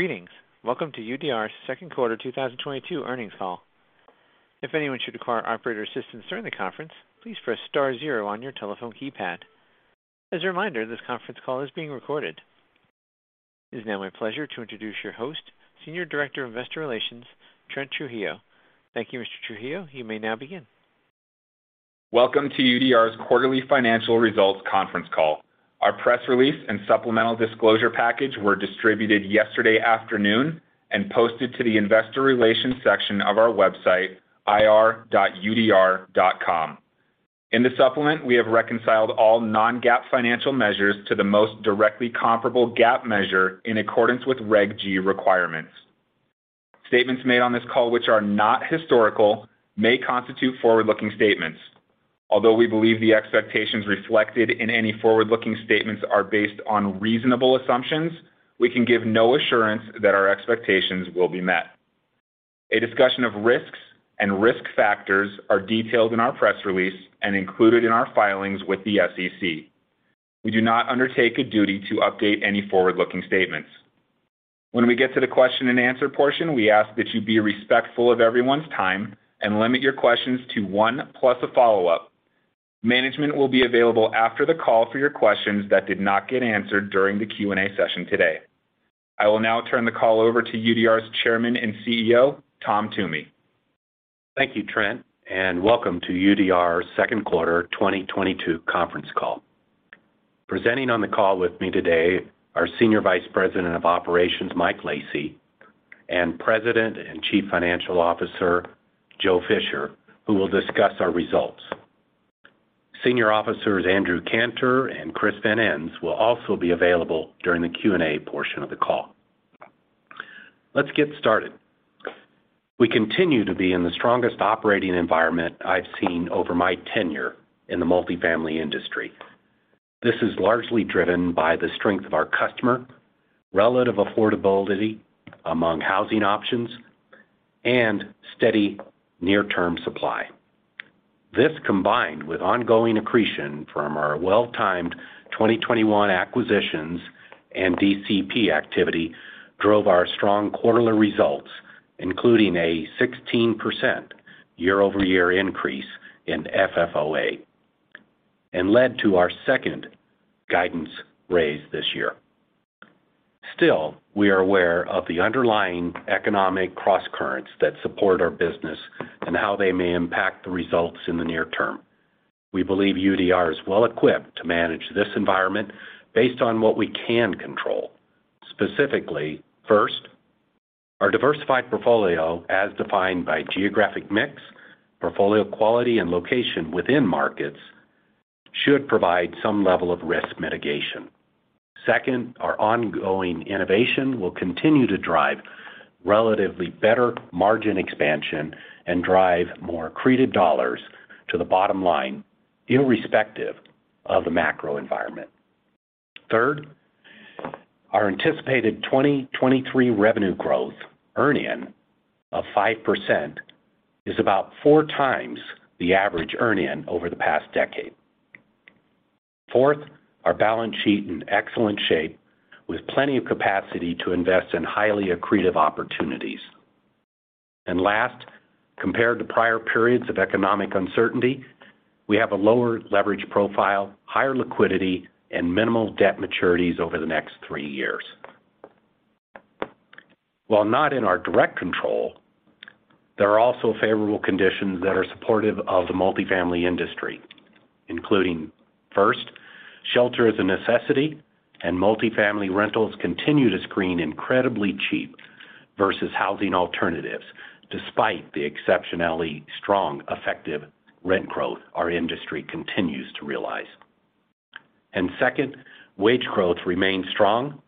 Greetings. Welcome to UDR's second quarter 2022 earnings call. If anyone should require operator assistance during the conference, please press star zero on your telephone keypad. As a reminder, this conference call is being recorded. It is now my pleasure to introduce your host, Senior Director of investor relations, Trent Trujillo. Thank you, Mr. Trujillo. You may now begin. Welcome to UDR's quarterly financial results conference call. Our press release and supplemental disclosure package were distributed yesterday afternoon and posted to the investor relations section of our website, ir.udr.com. In the supplement, we have reconciled all non-GAAP financial measures to the most directly comparable GAAP measure in accordance with Reg G requirements. Statements made on this call which are not historical may constitute forward-looking statements. Although we believe the expectations reflected in any forward-looking statements are based on reasonable assumptions, we can give no assurance that our expectations will be met. A discussion of risks and risk factors are detailed in our press release and included in our filings with the SEC. We do not undertake a duty to update any forward-looking statements. When we get to the question and answer portion, we ask that you be respectful of everyone's time and limit your questions to one plus a follow-up. Management will be available after the call for your questions that did not get answered during the Q&A session today. I will now turn the call over to UDR's Chairman and CEO, Tom Toomey. Thank you, Trent, and welcome to UDR's second quarter 2022 conference call. Presenting on the call with me today are Senior Vice President of Operations, Mike Lacy, and President and Chief Financial Officer, Joe Fisher, who will discuss our results. Senior Officers Andrew Kanter and Chris Van Ens will also be available during the Q&A portion of the call. Let's get started. We continue to be in the strongest operating environment I've seen over my tenure in the multifamily industry. This is largely driven by the strength of our customer, relative affordability among housing options, and steady near-term supply. This, combined with ongoing accretion from our well-timed 2021 acquisitions and DCP activity, drove our strong quarterly results, including a 16% year-over-year increase in FFOA, and led to our second guidance raise this year. Still, we are aware of the underlying economic crosscurrents that support our business and how they may impact the results in the near term. We believe UDR is well equipped to manage this environment based on what we can control. Specifically, first, our diversified portfolio, as defined by geographic mix, portfolio quality, and location within markets, should provide some level of risk mitigation. Second, our ongoing innovation will continue to drive relatively better margin expansion and drive more accreted dollars to the bottom line, irrespective of the macro environment. Third, our anticipated 2023 revenue growth earn in of 5% is about 4x the average earn in over the past decade. Fourth, our balance sheet in excellent shape with plenty of capacity to invest in highly accretive opportunities. Last, compared to prior periods of economic uncertainty, we have a lower leverage profile, higher liquidity, and minimal debt maturities over the next three years. While not in our direct control, there are also favorable conditions that are supportive of the multifamily industry, including, first, shelter is a necessity, and multifamily rentals continue to screen incredibly cheap versus housing alternatives despite the exceptionally strong effective rent growth our industry continues to realize. Second, wage growth remains strong,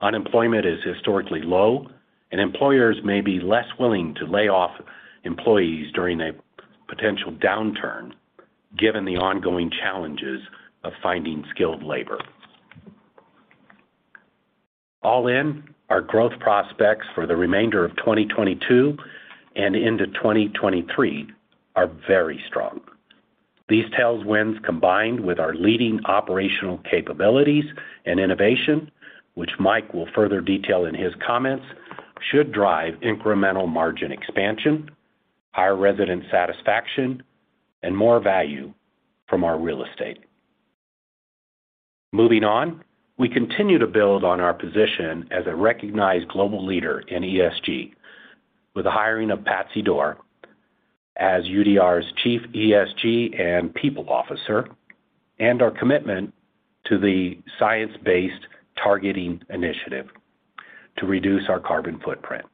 unemployment is historically low, and employers may be less willing to lay off employees during a potential downturn given the ongoing challenges of finding skilled labor. All in, our growth prospects for the remainder of 2022 and into 2023 are very strong. These tailwinds, combined with our leading operational capabilities and innovation, which Mike will further detail in his comments, should drive incremental margin expansion, higher resident satisfaction, and more value from our real estate. Moving on, we continue to build on our position as a recognized global leader in ESG with the hiring of Patsy Doerr as UDR's Chief ESG and People Officer, and our commitment to the Science Based Targets initiative to reduce our carbon footprint.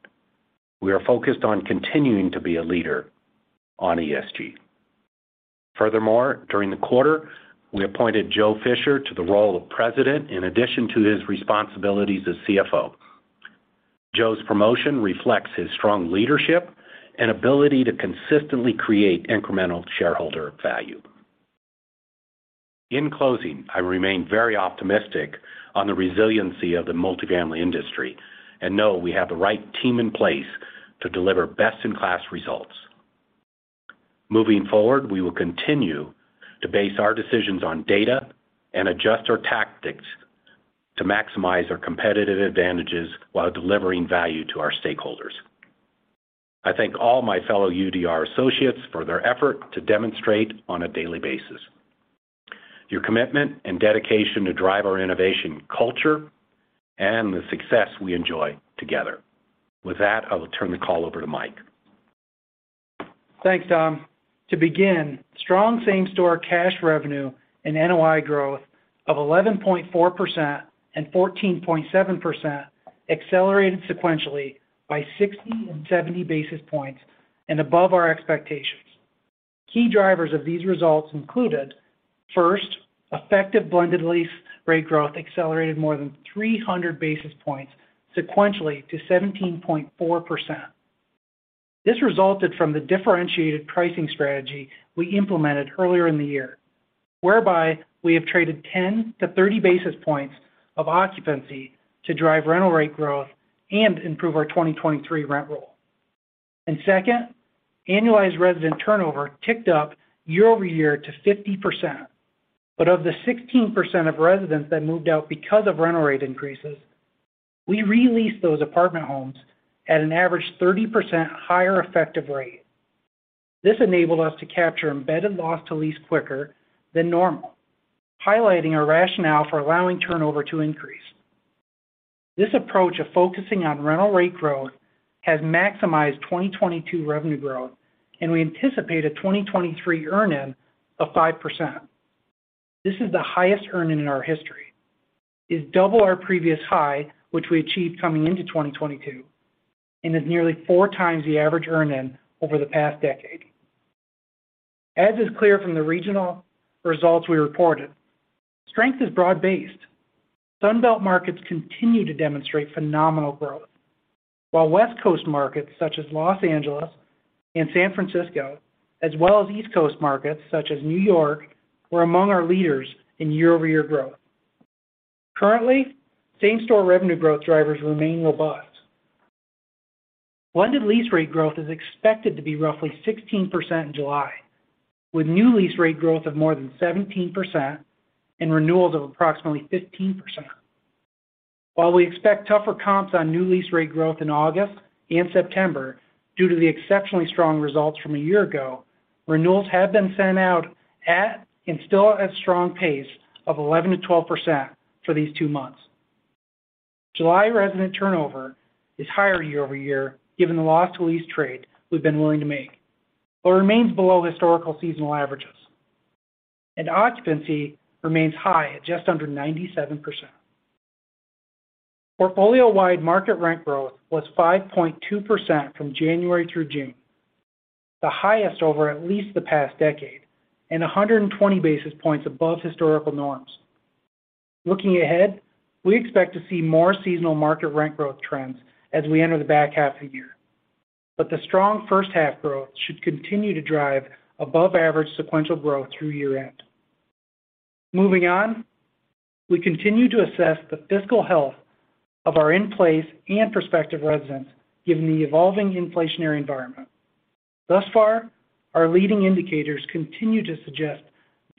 We are focused on continuing to be a leader on ESG. Furthermore, during the quarter, we appointed Joe Fisher to the role of president in addition to his responsibilities as CFO. Joe's promotion reflects his strong leadership and ability to consistently create incremental shareholder value. In closing, I remain very optimistic on the resiliency of the multifamily industry and know we have the right team in place to deliver best-in-class results. Moving forward, we will continue to base our decisions on data and adjust our tactics to maximize our competitive advantages while delivering value to our stakeholders. I thank all my fellow UDR associates for their effort to demonstrate on a daily basis your commitment and dedication to drive our innovation culture and the success we enjoy together. With that, I will turn the call over to Mike. Thanks, Tom. To begin, strong same-store cash revenue and NOI growth of 11.4% and 14.7% accelerated sequentially by 60 and 70 basis points and above our expectations. Key drivers of these results included, first, effective blended lease rate growth accelerated more than 300 basis points sequentially to 17.4%. This resulted from the differentiated pricing strategy we implemented earlier in the year, whereby we have traded 10-30 basis points of occupancy to drive rental rate growth and improve our 2023 rent roll. Second, annualized resident turnover ticked up year-over-year to 50%. Of the 16% of residents that moved out because of rental rate increases, we re-leased those apartment homes at an average 30% higher effective rate. This enabled us to capture embedded loss to lease quicker than normal, highlighting our rationale for allowing turnover to increase. This approach of focusing on rental rate growth has maximized 2022 revenue growth, and we anticipate a 2023 earnings of 5%. This is the highest earnings in our history. It's double our previous high, which we achieved coming into 2022 and is nearly 4x the average earnings over the past decade. As is clear from the regional results we reported, strength is broad-based. Sunbelt markets continue to demonstrate phenomenal growth. While West Coast markets such as Los Angeles and San Francisco, as well as East Coast markets such as New York, were among our leaders in year-over-year growth. Currently, same-store revenue growth drivers remain robust. Blended lease rate growth is expected to be roughly 16% in July, with new lease rate growth of more than 17% and renewals of approximately 15%. While we expect tougher comps on new lease rate growth in August and September due to the exceptionally strong results from a year ago, renewals have been sent out at, and still at, a strong pace of 11%-12% for these two months. July resident turnover is higher year-over-year, given the loss-to-lease trade-off we've been willing to make, but remains below historical seasonal averages. Occupancy remains high at just under 97%. Portfolio-wide market rent growth was 5.2% from January through June, the highest over at least the past decade, and 120 basis points above historical norms. Looking ahead, we expect to see more seasonal market rent growth trends as we enter the back half of the year. The strong first half growth should continue to drive above average sequential growth through year-end. Moving on, we continue to assess the fiscal health of our in-place and prospective residents given the evolving inflationary environment. Thus far, our leading indicators continue to suggest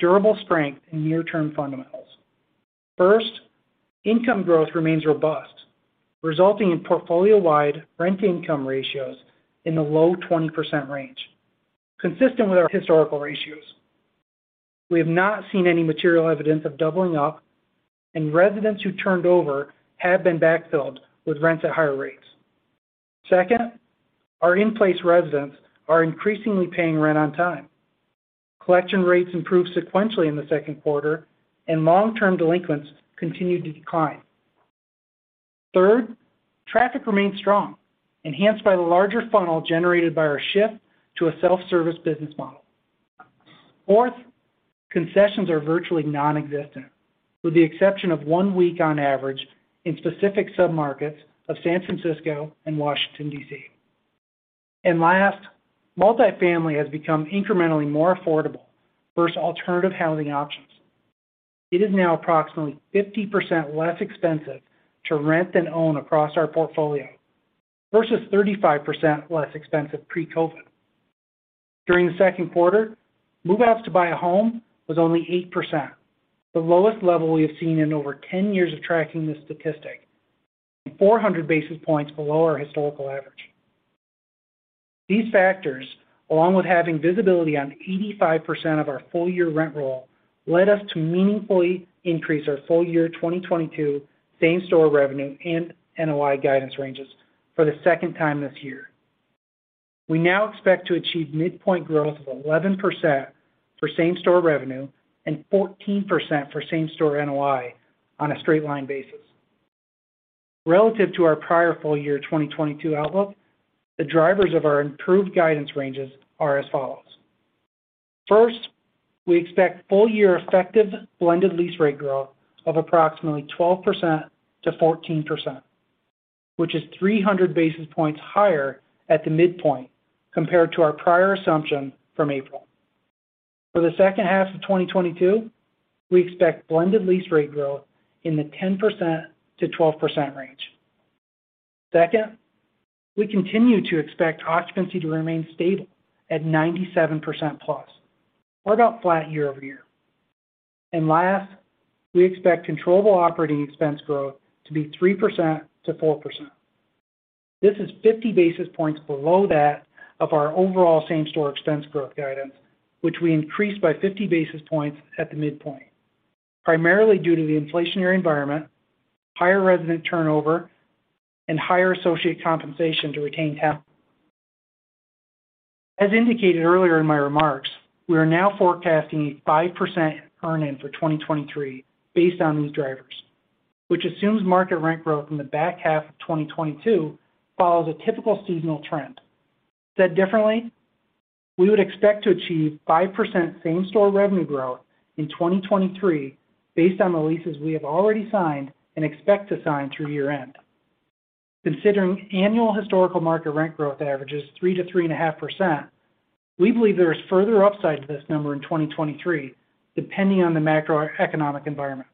durable strength in near-term fundamentals. First, income growth remains robust, resulting in portfolio-wide rent income ratios in the low 20% range, consistent with our historical ratios. We have not seen any material evidence of doubling up, and residents who turned over have been backfilled with rents at higher rates. Second, our in-place residents are increasingly paying rent on time. Collection rates improved sequentially in the second quarter, and long-term delinquencies continued to decline. Third, traffic remains strong, enhanced by the larger funnel generated by our shift to a self-service business model. Fourth, concessions are virtually nonexistent, with the exception of one week on average in specific submarkets of San Francisco and Washington, D.C. Last, multifamily has become incrementally more affordable versus alternative housing options. It is now approximately 50% less expensive to rent than own across our portfolio versus 35% less expensive pre-COVID. During the second quarter, move-outs to buy a home was only 8%, the lowest level we have seen in over 10 years of tracking this statistic and 400 basis points below our historical average. These factors, along with having visibility on 85% of our full year rent roll, led us to meaningfully increase our full year 2022 same-store revenue and NOI guidance ranges for the second time this year. We now expect to achieve midpoint growth of 11% for same-store revenue and 14% for same-store NOI on a straight line basis. Relative to our prior full year 2022 outlook, the drivers of our improved guidance ranges are as follows. First, we expect full year effective blended lease rate growth of approximately 12%-14%, which is 300 basis points higher at the midpoint compared to our prior assumption from April. For the second half of 2022, we expect blended lease rate growth in the 10%-12% range. Second, we continue to expect occupancy to remain stable at 97%+ or about flat year-over-year. Last, we expect controllable operating expense growth to be 3%-4%. This is 50 basis points below that of our overall same-store expense growth guidance, which we increased by 50 basis points at the midpoint, primarily due to the inflationary environment, higher resident turnover, and higher associate compensation to retain talent. As indicated earlier in my remarks, we are now forecasting a 5% earnings for 2023 based on these drivers, which assumes market rent growth in the back half of 2022 follows a typical seasonal trend. Said differently, we would expect to achieve 5% same-store revenue growth in 2023 based on the leases we have already signed and expect to sign through year end. Considering annual historical market rent growth averages 3%-3.5%, we believe there is further upside to this number in 2023, depending on the macroeconomic environment.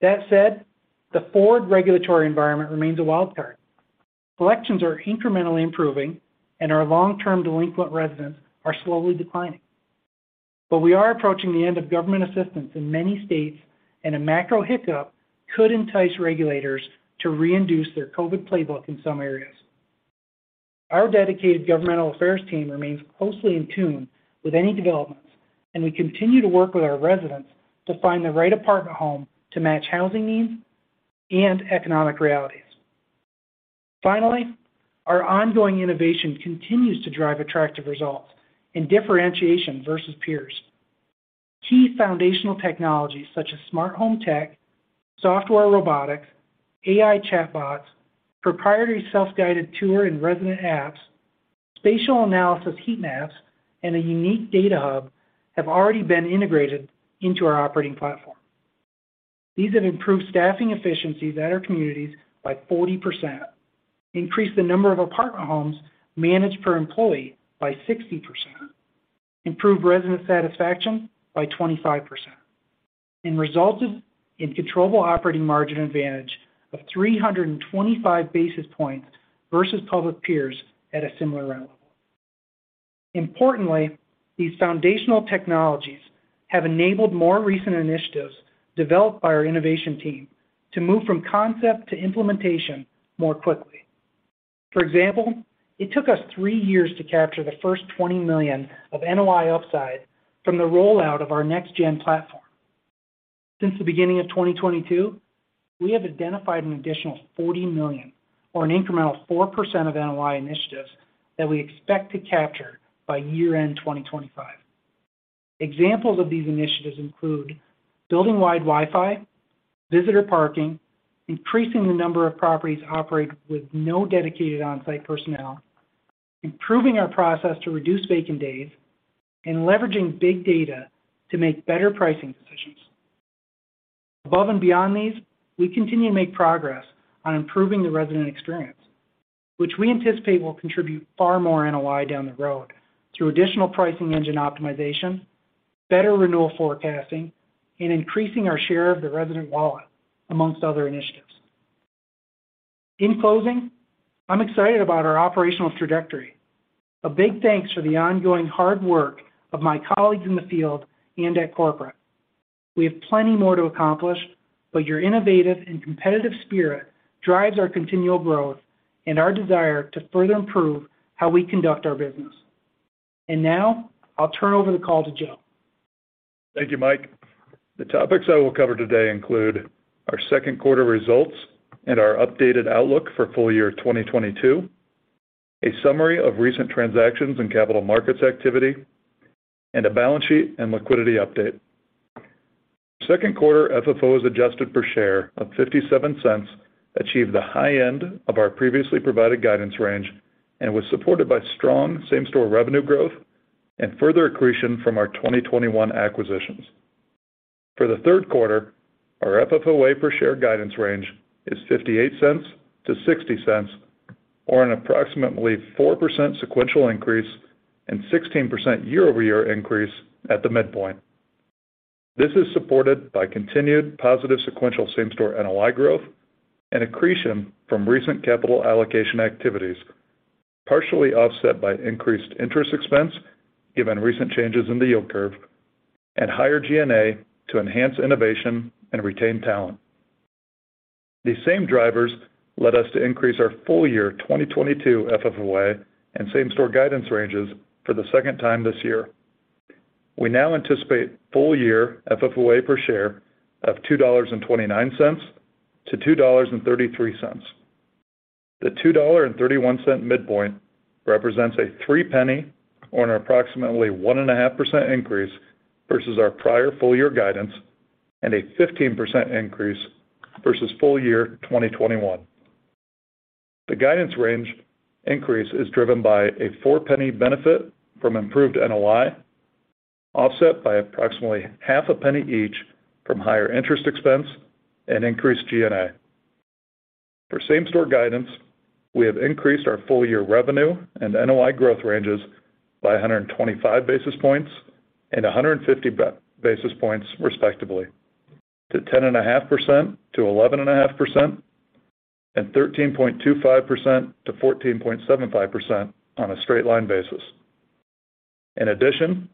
That said, the forward regulatory environment remains a wildcard. Collections are incrementally improving and our long-term delinquent residents are slowly declining. We are approaching the end of government assistance in many states and a macro hiccup could entice regulators to reinduce their COVID playbook in some areas. Our dedicated governmental affairs team remains closely in tune with any developments, and we continue to work with our residents to find the right apartment home to match housing needs and economic realities. Finally, our ongoing innovation continues to drive attractive results and differentiation versus peers. Key foundational technologies such as smart home tech, software robotics, AI chatbots, proprietary self-guided tour and resident apps, spatial analysis heat maps, and a unique data hub have already been integrated into our operating platform. These have improved staffing efficiencies at our communities by 40%, increased the number of apartment homes managed per employee by 60%, improved resident satisfaction by 25%, and resulted in controllable operating margin advantage of 325 basis points versus public peers at a similar rent level. Importantly, these foundational technologies have enabled more recent initiatives developed by our innovation team to move from concept to implementation more quickly. For example, it took us three years to capture the first $20 million of NOI upside from the rollout of our next-gen platform. Since the beginning of 2022, we have identified an additional $40 million or an incremental 4% of NOI initiatives that we expect to capture by year-end 2025. Examples of these initiatives include building-wide Wi-Fi, visitor parking, increasing the number of properties operated with no dedicated on-site personnel, improving our process to reduce vacant days, and leveraging big data to make better pricing decisions. Above and beyond these, we continue to make progress on improving the resident experience, which we anticipate will contribute far more NOI down the road through additional pricing engine optimization, better renewal forecasting, and increasing our share of the resident wallet, among other initiatives. In closing, I'm excited about our operational trajectory. A big thanks for the ongoing hard work of my colleagues in the field and at corporate. We have plenty more to accomplish, but your innovative and competitive spirit drives our continual growth and our desire to further improve how we conduct our business. Now I'll turn over the call to Joe. Thank you, Mike. The topics I will cover today include our second quarter results and our updated outlook for full year 2022, a summary of recent transactions and capital markets activity, and a balance sheet and liquidity update. Second quarter FFOs adjusted for share of $0.57 achieved the high end of our previously provided guidance range and was supported by strong same-store revenue growth and further accretion from our 2021 acquisitions. For the third quarter, our FFOA per share guidance range is $0.58-$0.60 or an approximately 4% sequential increase and 16% year-over-year increase at the midpoint. This is supported by continued positive sequential same-store NOI growth and accretion from recent capital allocation activities, partially offset by increased interest expense given recent changes in the yield curve and higher G&A to enhance innovation and retain talent. These same drivers led us to increase our full year 2022 FFOA and same-store guidance ranges for the second time this year. We now anticipate full year FFOA per share of $2.29-$2.33. The $2.31 midpoint represents a 3-cent or an approximately 1.5% increase versus our prior full year guidance and a 15% increase versus full year 2021. The guidance range increase is driven by a $0.04 benefit from improved NOI, offset by approximately $0.005 each from higher interest expense and increased G&A. For same-store guidance, we have increased our full year revenue and NOI growth ranges by 125 basis points and 150 basis points respectively to 10.5%-11.5% and 13.25%-14.75% on a straight line basis. In addition,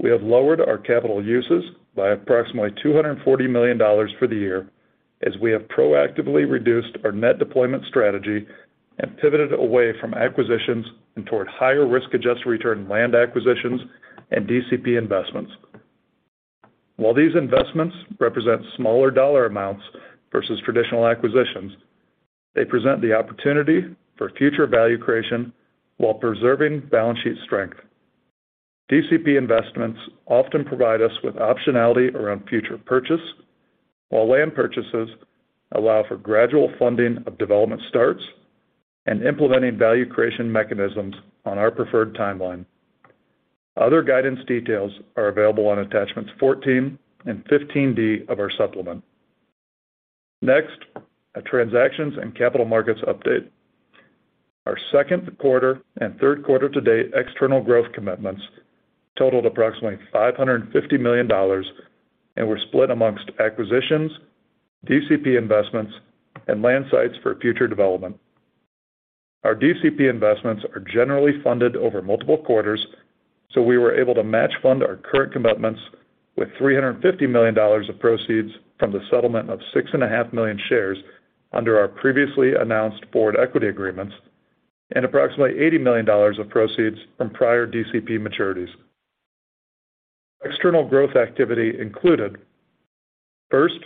we have lowered our capital uses by approximately $240 million for the year as we have proactively reduced our net deployment strategy and pivoted away from acquisitions and toward higher risk-adjusted return land acquisitions and DCP investments. While these investments represent smaller dollar amounts versus traditional acquisitions, they present the opportunity for future value creation while preserving balance sheet strength. DCP investments often provide us with optionality around future purchase, while land purchases allow for gradual funding of development starts and implementing value creation mechanisms on our preferred timeline. Other guidance details are available on attachments 14 and 15-D of our supplement. Next, our transactions and capital markets update. Our second quarter and third quarter to date external growth commitments totaled approximately $550 million and were split amongst acquisitions, DCP investments, and land sites for future development. Our DCP investments are generally funded over multiple quarters, so we were able to match fund our current commitments with $350 million of proceeds from the settlement of 6.5 million shares under our previously announced forward equity agreements and approximately $80 million of proceeds from prior DCP maturities. External growth activity included. First,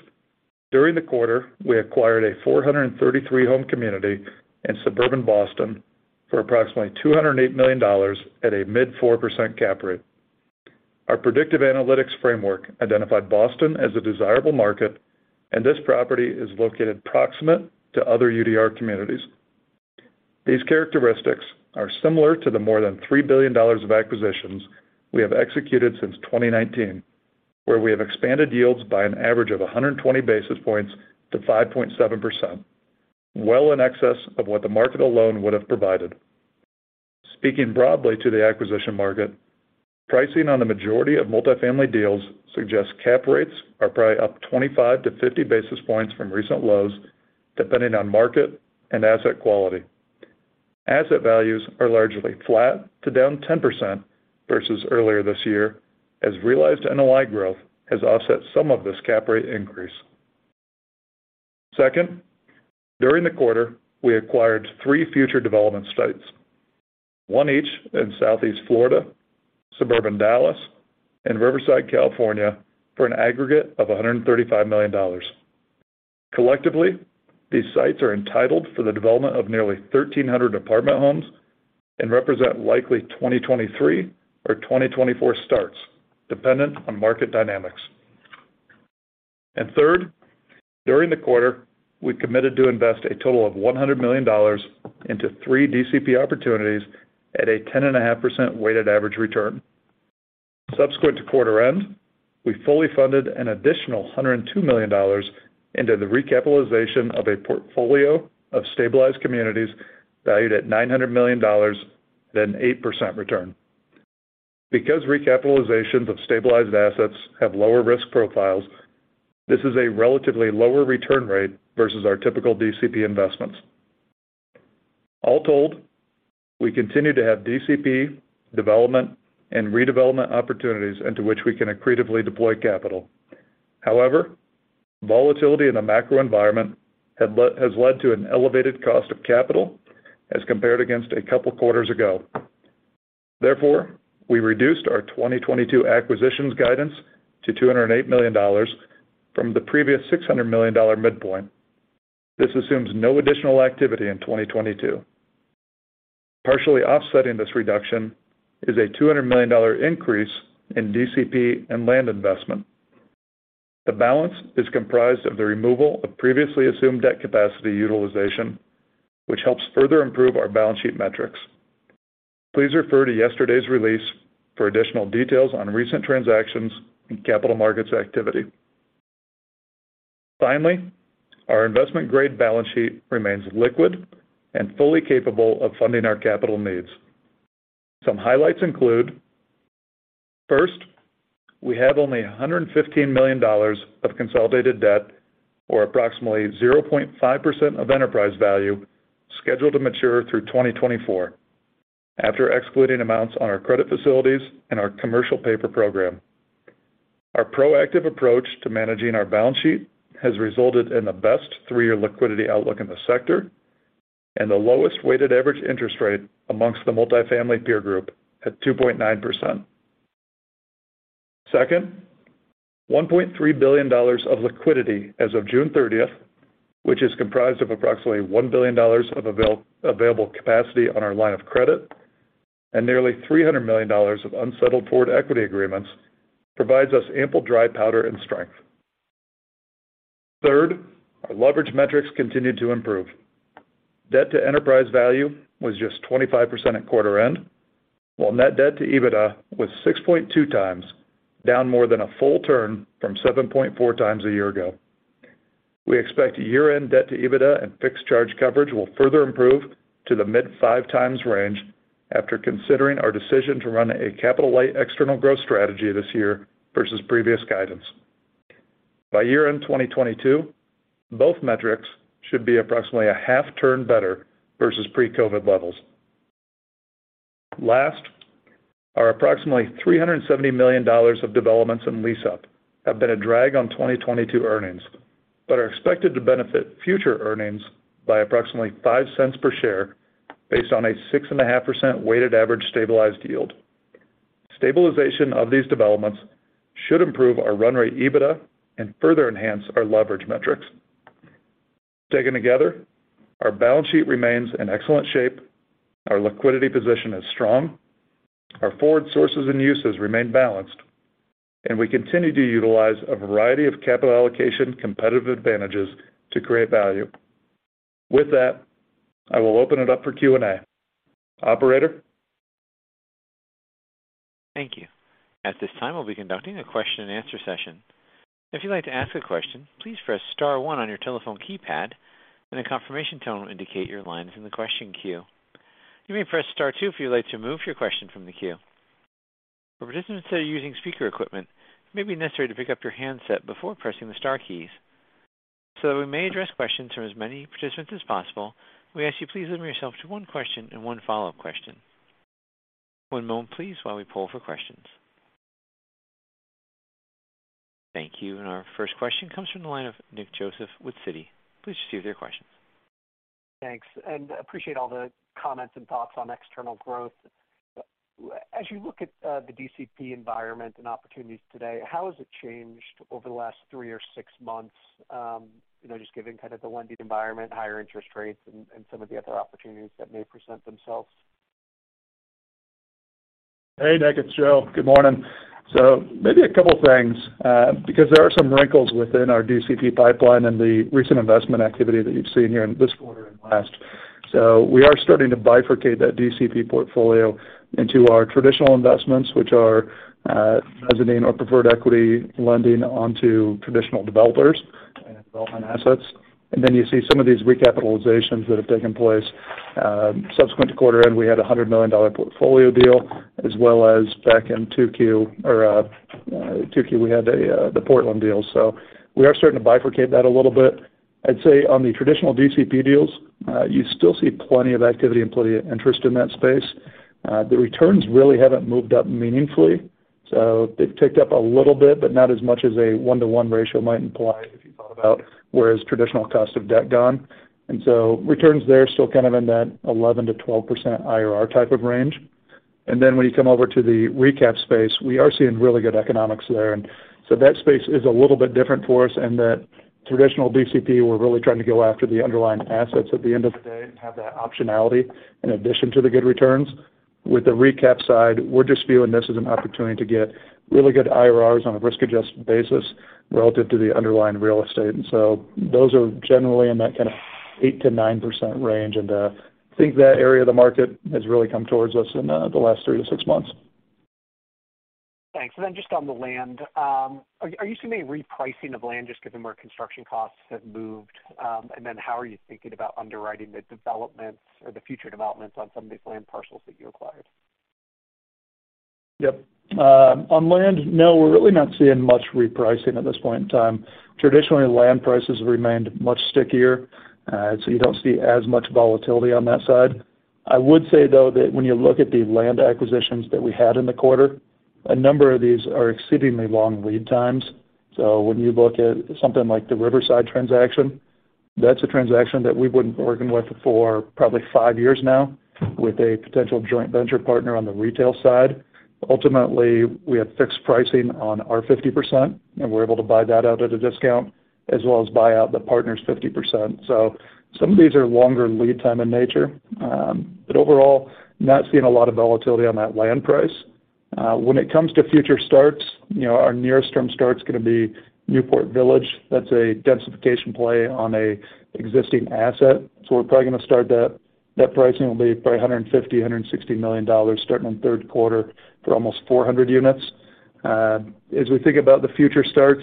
during the quarter, we acquired a 433-home community in suburban Boston for approximately $208 million at a mid-4% cap rate. Our predictive analytics framework identified Boston as a desirable market, and this property is located proximate to other UDR communities. These characteristics are similar to the more than $3 billion of acquisitions we have executed since 2019, where we have expanded yields by an average of 120 basis points to 5.7%, well in excess of what the market alone would have provided. Speaking broadly to the acquisition market, pricing on the majority of multifamily deals suggests cap rates are probably up 25-50 basis points from recent lows, depending on market and asset quality. Asset values are largely flat to down 10% versus earlier this year as realized NOI growth has offset some of this cap rate increase. Second, during the quarter, we acquired 3 future development sites, one each in Southeast Florida, suburban Dallas, and Riverside, California, for an aggregate of $135 million. Collectively, these sites are entitled for the development of nearly 1,300 apartment homes and represent likely 2023 or 2024 starts, dependent on market dynamics. Third, during the quarter, we committed to invest a total of $100 million into three DCP opportunities at a 10.5% weighted average return. Subsequent to quarter end, we fully funded an additional $102 million into the recapitalization of a portfolio of stabilized communities valued at $900 million at an 8% return. Because recapitalizations of stabilized assets have lower risk profiles, this is a relatively lower return rate versus our typical DCP investments. All told, we continue to have DCP development and redevelopment opportunities into which we can accretively deploy capital. However, volatility in the macro environment has led to an elevated cost of capital as compared against a couple quarters ago. Therefore, we reduced our 2022 acquisitions guidance to $208 million from the previous $600 million midpoint. This assumes no additional activity in 2022. Partially offsetting this reduction is a $200 million increase in DCP and land investment. The balance is comprised of the removal of previously assumed debt capacity utilization, which helps further improve our balance sheet metrics. Please refer to yesterday's release for additional details on recent transactions and capital markets activity. Finally, our investment grade balance sheet remains liquid and fully capable of funding our capital needs. Some highlights include. First, we have only $115 million of consolidated debt or approximately 0.5% of enterprise value scheduled to mature through 2024 after excluding amounts on our credit facilities and our commercial paper program. Our proactive approach to managing our balance sheet has resulted in the best three-year liquidity outlook in the sector and the lowest weighted average interest rate amongst the multifamily peer group at 2.9%. Second, $1.3 billion of liquidity as of June 30th, which is comprised of approximately $1 billion of available capacity on our line of credit and nearly $300 million of unsettled forward equity agreements, provides us ample dry powder and strength. Third, our leverage metrics continue to improve. Debt to enterprise value was just 25% at quarter end, while net debt to EBITDA was 6.2x, down more than a full turn from 7.4 times a year ago. We expect year-end debt to EBITDA and fixed charge coverage will further improve to the mid-5x range after considering our decision to run a capital light external growth strategy this year versus previous guidance. By year-end 2022, both metrics should be approximately a half turn better versus pre-COVID levels. Last, our approximately $370 million of developments in lease up have been a drag on 2022 earnings, but are expected to benefit future earnings by approximately $0.05 per share based on a 6.5% weighted average stabilized yield. Stabilization of these developments should improve our run rate EBITDA and further enhance our leverage metrics. Taken together, our balance sheet remains in excellent shape, our liquidity position is strong, our forward sources and uses remain balanced, and we continue to utilize a variety of capital allocation competitive advantages to create value. With that, I will open it up for Q&A. Operator? Thank you. At this time, we'll be conducting a question-and-answer session. If you'd like to ask a question, please press star one on your telephone keypad and a confirmation tone will indicate your line is in the question queue. You may press star two if you'd like to remove your question from the queue. For participants that are using speaker equipment, it may be necessary to pick up your handset before pressing the star keys. So that we may address questions from as many participants as possible, we ask you please limit yourself to one question and one follow-up question. One moment, please, while we poll for questions. Thank you. Our first question comes from the line of Nick Joseph with Citi. Please proceed with your question. Thanks, appreciate all the comments and thoughts on external growth. As you look at the DCP environment and opportunities today, how has it changed over the last three or six months, you know, just given kind of the lending environment, higher interest rates, and some of the other opportunities that may present themselves? Hey, Nick. It's Joe. Good morning. Maybe a couple things, because there are some wrinkles within our DCP pipeline and the recent investment activity that you've seen here in this quarter and last. We are starting to bifurcate that DCP portfolio into our traditional investments, which are, mezzanine or preferred equity lending onto traditional developers and development assets. Then you see some of these recapitalizations that have taken place. Subsequent to quarter end, we had a $100 million portfolio deal, as well as back in 2Q, we had the Portland deal. We are starting to bifurcate that a little bit. I'd say on the traditional DCP deals, you still see plenty of activity and plenty of interest in that space. The returns really haven't moved up meaningfully, so they've ticked up a little bit, but not as much as a one-to-one ratio might imply if you thought about where has traditional cost of debt gone. Returns there still kind of in that 11%-12% IRR type of range. When you come over to the recap space, we are seeing really good economics there. That space is a little bit different for us in that traditional DCP, we're really trying to go after the underlying assets at the end of the day and have that optionality in addition to the good returns. With the recap side, we're just viewing this as an opportunity to get really good IRRs on a risk-adjusted basis relative to the underlying real estate. Those are generally in that kind of 8%-9% range. think that area of the market has really come towards us in the last three-six months. Thanks. Just on the land, are you seeing any repricing of land just given where construction costs have moved? How are you thinking about underwriting the developments or the future developments on some of these land parcels that you acquired? Yep. On land, no, we're really not seeing much repricing at this point in time. Traditionally, land prices have remained much stickier. You don't see as much volatility on that side. I would say, though, that when you look at the land acquisitions that we had in the quarter, a number of these are exceedingly long lead times. When you look at something like the Riverside transaction, that's a transaction that we've been working with for probably five years now with a potential joint venture partner on the retail side. Ultimately, we have fixed pricing on our 50%, and we're able to buy that out at a discount as well as buy out the partner's 50%. Some of these are longer lead time in nature. Overall, not seeing a lot of volatility on that land price. When it comes to future starts, you know, our nearest term start's gonna be Newport Village. That's a densification play on an existing asset. We're probably gonna start that. That pricing will be probably $150-$160 million starting in third quarter for almost 400 units. As we think about the future starts,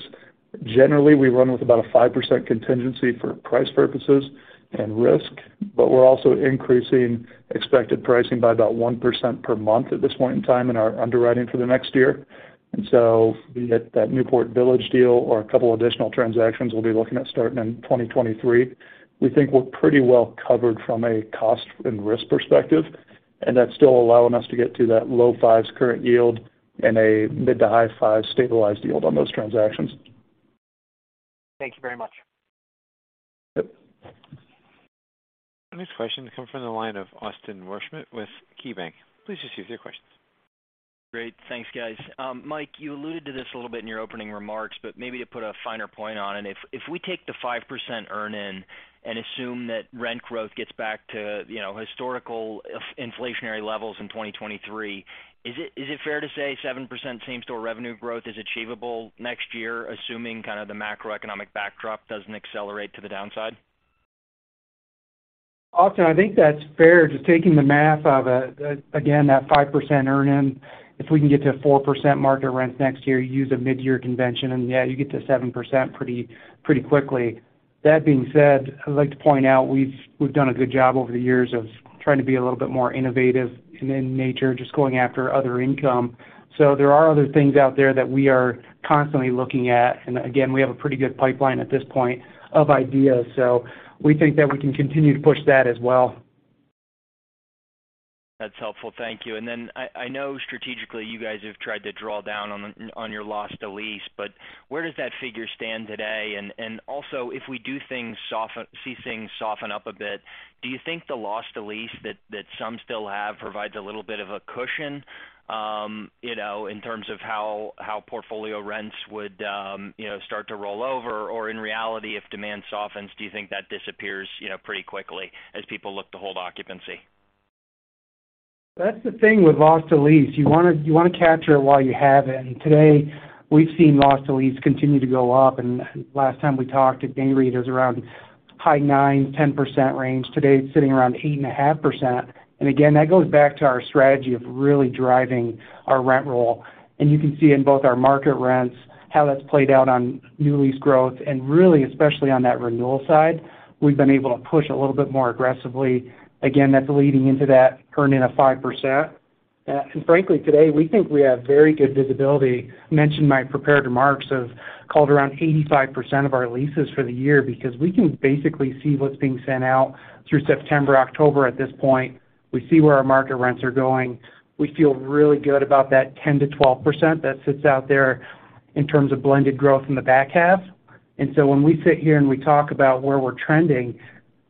generally, we run with about a 5% contingency for price purposes and risk, but we're also increasing expected pricing by about 1% per month at this point in time in our underwriting for the next year. Be it that Newport Village deal or a couple additional transactions we'll be looking at starting in 2023, we think we're pretty well covered from a cost and risk perspective, and that's still allowing us to get to that low-5% current yield and a mid- to high-5% stabilized yield on those transactions. Thank you very much. Yep. Our next question comes from the line of Austin Wurschmidt with KeyBanc. Please proceed with your questions. Great. Thanks, guys. Mike, you alluded to this a little bit in your opening remarks, but maybe to put a finer point on it, if we take the 5% earn in and assume that rent growth gets back to, you know, historical inflationary levels in 2023, is it fair to say 7% same-store revenue growth is achievable next year, assuming kind of the macroeconomic backdrop doesn't accelerate to the downside? Austin, I think that's fair. Just taking the math of again, that 5% earn in. If we can get to 4% market rents next year, use a mid-year convention, and yeah, you get to 7% pretty quickly. That being said, I'd like to point out we've done a good job over the years of trying to be a little bit more innovative and in nature, just going after other income. So there are other things out there that we are constantly looking at. Again, we have a pretty good pipeline at this point of ideas. So we think that we can continue to push that as well. That's helpful. Thank you. Then I know strategically you guys have tried to draw down on your loss to lease, but where does that figure stand today? Also if we see things soften up a bit, do you think the loss to lease that some still have provides a little bit of a cushion, you know, in terms of how portfolio rents would, you know, start to roll over? Or in reality, if demand softens, do you think that disappears, you know, pretty quickly as people look to hold occupancy? That's the thing with loss to lease. You wanna capture it while you have it. Today, we've seen loss to lease continue to go up. Last time we talked at NAREIT, it was around high 9%-10% range. Today, it's sitting around 8.5%. Again, that goes back to our strategy of really driving our rent roll. You can see in both our market rents, how that's played out on new lease growth and really, especially on that renewal side, we've been able to push a little bit more aggressively. Again, that's leading into that earn in of 5%. Frankly, today, we think we have very good visibility. In my prepared remarks, I called around 85% of our leases for the year because we can basically see what's being sent out through September, October at this point. We see where our market rents are going. We feel really good about that 10%-12% that sits out there in terms of blended growth in the back half. When we sit here and we talk about where we're trending,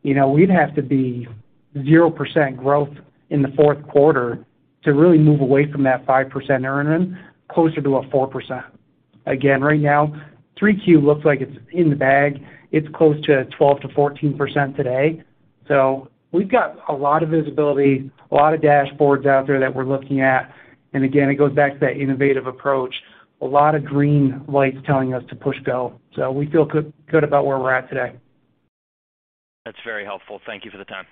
you know, we'd have to be 0% growth in the fourth quarter to really move away from that 5% year in, closer to a 4%. Right now, 3Q looks like it's in the bag. It's close to 12%-14% today. We've got a lot of visibility, a lot of dashboards out there that we're looking at. It goes back to that innovative approach. A lot of green lights telling us to push go. We feel good about where we're at today. That's very helpful. Thank you for the time.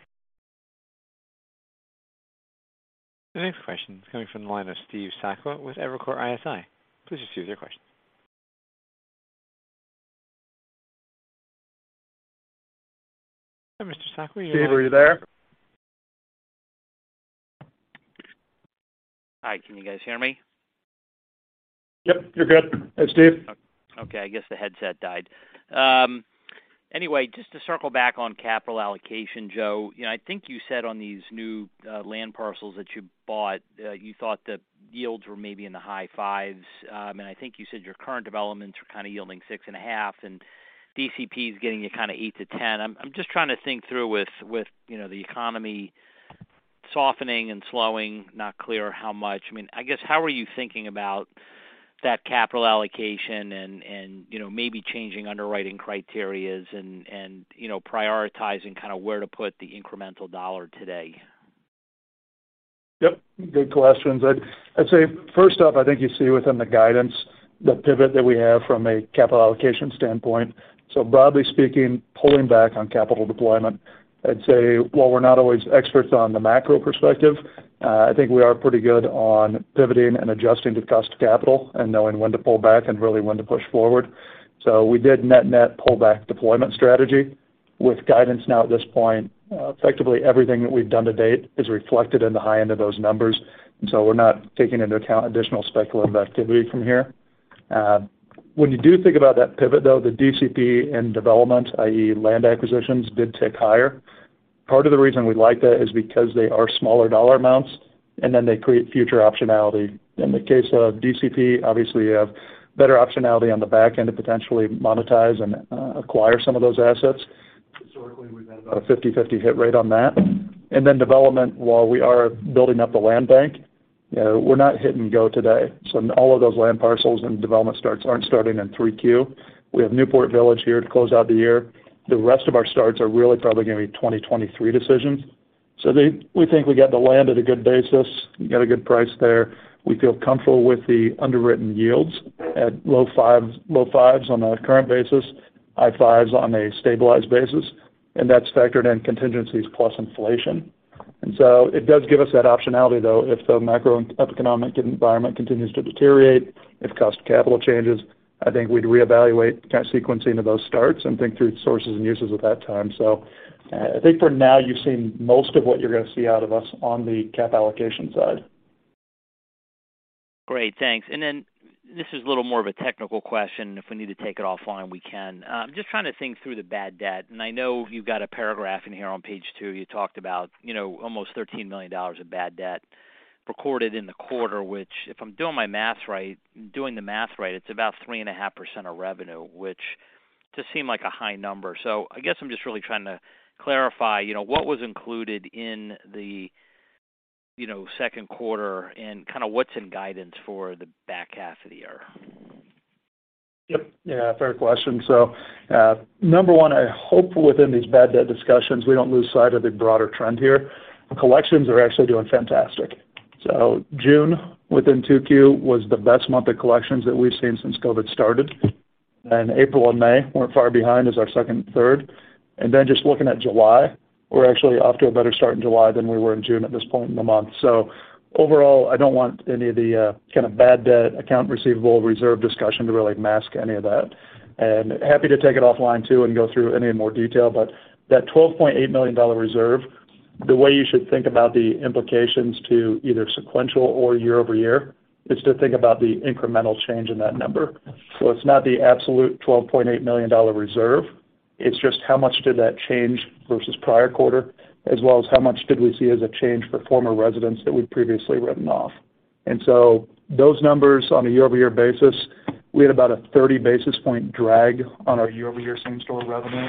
The next question is coming from the line of Steve Sakwa with Evercore ISI. Please proceed with your question. Mr. Sakwa, your line. Steve, are you there? Hi, can you guys hear me? Yep, you're good. Hey, Steve. Okay, I guess the headset died. Anyway, just to circle back on capital allocation, Joe, you know, I think you said on these new land parcels that you bought, you thought that yields were maybe in the high 5s. I think you said your current developments were kind of yielding 6.5%, and DCP is getting you kinda 8%-10%. I'm just trying to think through with you know, the economy softening and slowing, not clear how much. I mean, I guess how are you thinking about that capital allocation and you know, maybe changing underwriting criteria and you know, prioritizing kinda where to put the incremental dollar today? Yep. Good questions. I'd say first off, I think you see within the guidance the pivot that we have from a capital allocation standpoint. Broadly speaking, pulling back on capital deployment. I'd say while we're not always experts on the macro perspective, I think we are pretty good on pivoting and adjusting to cost of capital and knowing when to pull back and really when to push forward. We did net-net pull back deployment strategy with guidance now at this point. Effectively, everything that we've done to date is reflected in the high end of those numbers, and so we're not taking into account additional speculative activity from here. When you do think about that pivot, though, the DCP and development, i.e. land acquisitions, did tick higher. Part of the reason we like that is because they are smaller dollar amounts, and then they create future optionality. In the case of DCP, obviously, you have better optionality on the back end to potentially monetize and acquire some of those assets. Historically, we've had about a 50/50 hit rate on that. Development, while we are building up the land bank, you know, we're not hit and go today. All of those land parcels and development starts aren't starting in 3Q. We have Newport Village here to close out the year. The rest of our starts are really probably gonna be 2023 decisions. We think we got the land at a good basis. We got a good price there. We feel comfortable with the underwritten yields at low 5s, low 5s on a current basis, high fives on a stabilized basis, and that's factored in contingencies plus inflation. It does give us that optionality, though, if the macro and economic environment continues to deteriorate, if cost of capital changes, I think we'd reevaluate kind of sequencing of those starts and think through sources and uses at that time. I think for now you've seen most of what you're gonna see out of us on the cap allocation side. Great. Thanks. Then this is a little more of a technical question. If we need to take it offline, we can. Just trying to think through the bad debt, and I know you've got a paragraph in here on page two. You talked about, you know, almost $13 million of bad debt recorded in the quarter, which, if I'm doing the math right, it's about 3.5% of revenue, which just seem like a high number. I guess I'm just really trying to clarify, you know, what was included in the, you know, second quarter and kinda what's in guidance for the back half of the year. Yep. Yeah, fair question. Number one, I hope within these bad debt discussions, we don't lose sight of the broader trend here. Collections are actually doing fantastic. June within 2Q was the best month of collections that we've seen since COVID started. April and May weren't far behind as our second and third. Just looking at July, we're actually off to a better start in July than we were in June at this point in the month. Overall, I don't want any of the kind of bad debt accounts receivable reserve discussion to really mask any of that. Happy to take it offline too and go through any more detail. That $12.8 million reserve, the way you should think about the implications to either sequential or year-over-year is to think about the incremental change in that number. It's not the absolute $12.8 million reserve. It's just how much did that change versus prior quarter, as well as how much did we see as a change for former residents that we'd previously written off. Those numbers on a year-over-year basis, we had about a 30 basis point drag on our year-over-year same store revenue.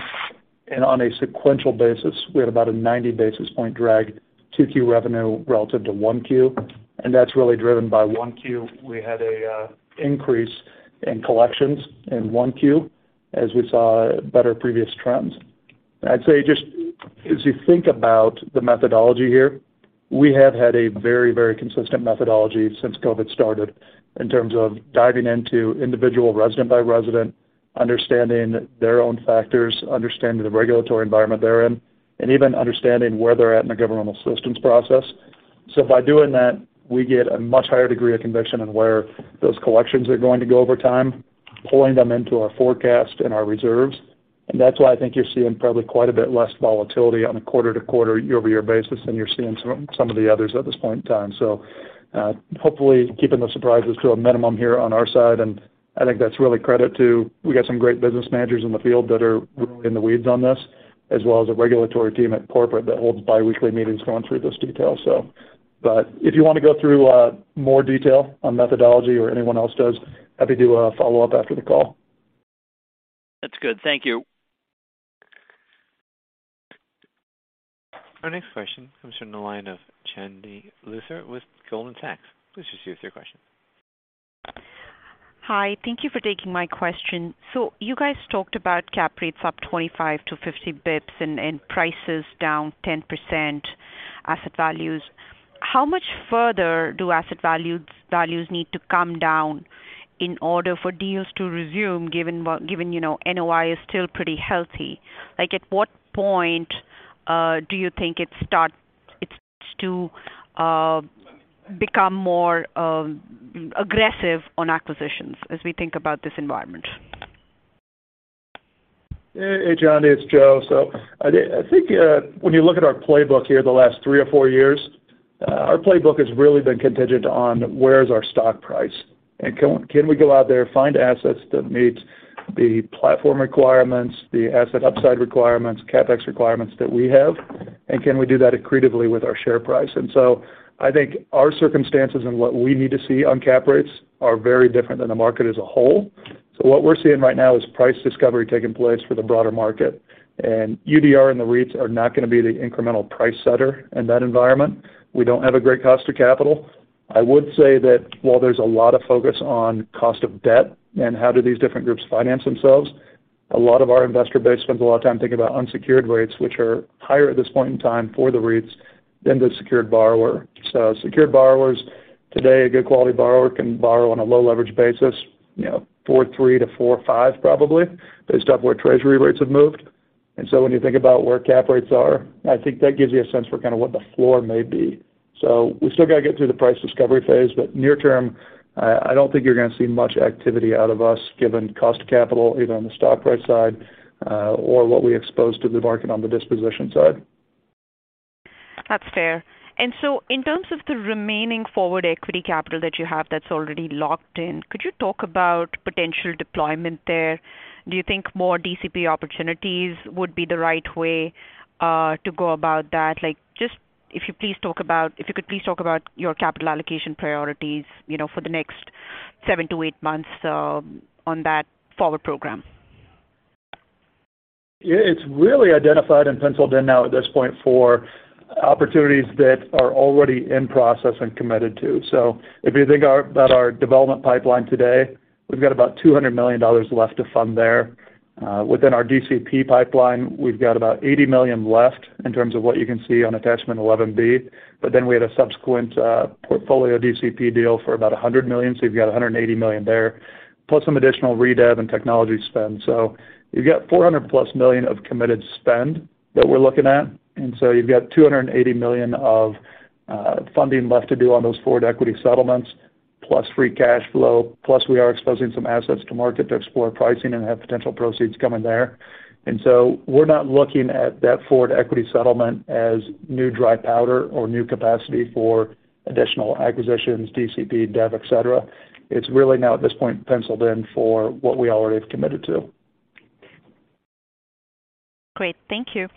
And on a sequential basis, we had about a 90 basis point drag to 2Q revenue relative to 1Q, and that's really driven by 1Q. We had an increase in collections in 1Q as we saw better previous trends. I'd say just as you think about the methodology here, we have had a very, very consistent methodology since COVID started in terms of diving into individual resident by resident, understanding their own factors, understanding the regulatory environment they're in, and even understanding where they're at in the governmental assistance process. So by doing that, we get a much higher degree of conviction in where those collections are going to go over time, pulling them into our forecast and our reserves. That's why I think you're seeing probably quite a bit less volatility on a quarter-to-quarter, year-over-year basis than you're seeing some of the others at this point in time. Hopefully keeping the surprises to a minimum here on our side, and I think that's really credit to, we got some great business managers in the field that are really in the weeds on this, as well as a regulatory team at corporate that holds biweekly meetings going through those details. If you want to go through more detail on methodology or anyone else does, happy to follow up after the call. That's good. Thank you. Our next question comes from the line of Chandni Luthra with Goldman Sachs. Please proceed with your question. Hi. Thank you for taking my question. You guys talked about cap rates up 25-50 bps and prices down 10% asset values. How much further do asset values need to come down in order for deals to resume, given you know, NOI is still pretty healthy? Like, at what point do you think it starts to become more aggressive on acquisitions as we think about this environment? Hey, Chandni, it's Joe. I think when you look at our playbook here the last three or four years, our playbook has really been contingent on where's our stock price, and can we go out there, find assets that meet the platform requirements, the asset upside requirements, CapEx requirements that we have, and can we do that accretively with our share price? I think our circumstances and what we need to see on cap rates are very different than the market as a whole. What we're seeing right now is price discovery taking place for the broader market. UDR and the REITs are not going to be the incremental price setter in that environment. We don't have a great cost of capital. I would say that while there's a lot of focus on cost of debt and how do these different groups finance themselves, a lot of our investor base spends a lot of time thinking about unsecured rates, which are higher at this point in time for the REITs than the secured borrower. Secured borrowers today, a good quality borrower can borrow on a low leverage basis, you know, 4.3-4.5 probably, based off where treasury rates have moved. When you think about where cap rates are, I think that gives you a sense for kind of what the floor may be. We still got to get through the price discovery phase, but near term, I don't think you're going to see much activity out of us given cost of capital either on the stock price side, or what we expose to the market on the disposition side. That's fair. In terms of the remaining forward equity capital that you have that's already locked in, could you talk about potential deployment there? Do you think more DCP opportunities would be the right way to go about that? If you could please talk about your capital allocation priorities, you know, for the next seven-eight months on that forward program. Yeah. It's really identified and penciled in now at this point for opportunities that are already in process and committed to. If you think about our development pipeline today, we've got about $200 million left to fund there. Within our DCP pipeline, we've got about $80 million left in terms of what you can see on Attachment 11B, but then we had a subsequent portfolio DCP deal for about $100 million. You've got $180 million there, plus some additional redev and technology spend. You've got $400+ million of committed spend that we're looking at. You've got $280 million of funding left to do on those forward equity settlements, plus free cash flow, plus we are exposing some assets to market to explore pricing and have potential proceeds coming there. We're not looking at that forward equity settlement as new dry powder or new capacity for additional acquisitions, DCP, dev, et cetera. It's really now at this point penciled in for what we already have committed to. Great. Thank you.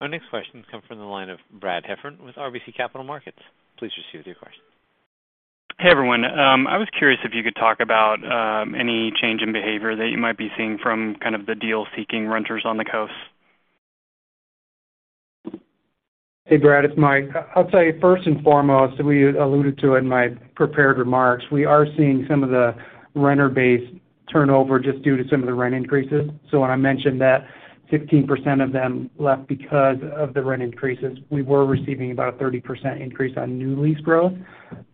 Our next question comes from the line of Brad Heffern with RBC Capital Markets. Please proceed with your question. Hey, everyone. I was curious if you could talk about any change in behavior that you might be seeing from kind of the deal-seeking renters on the coast. Hey, Brad, it's Mike. I'll tell you first and foremost, we alluded to it in my prepared remarks. We are seeing some of the renter base. Turnover just due to some of the rent increases. When I mentioned that 16% of them left because of the rent increases, we were receiving about a 30% increase on new lease growth.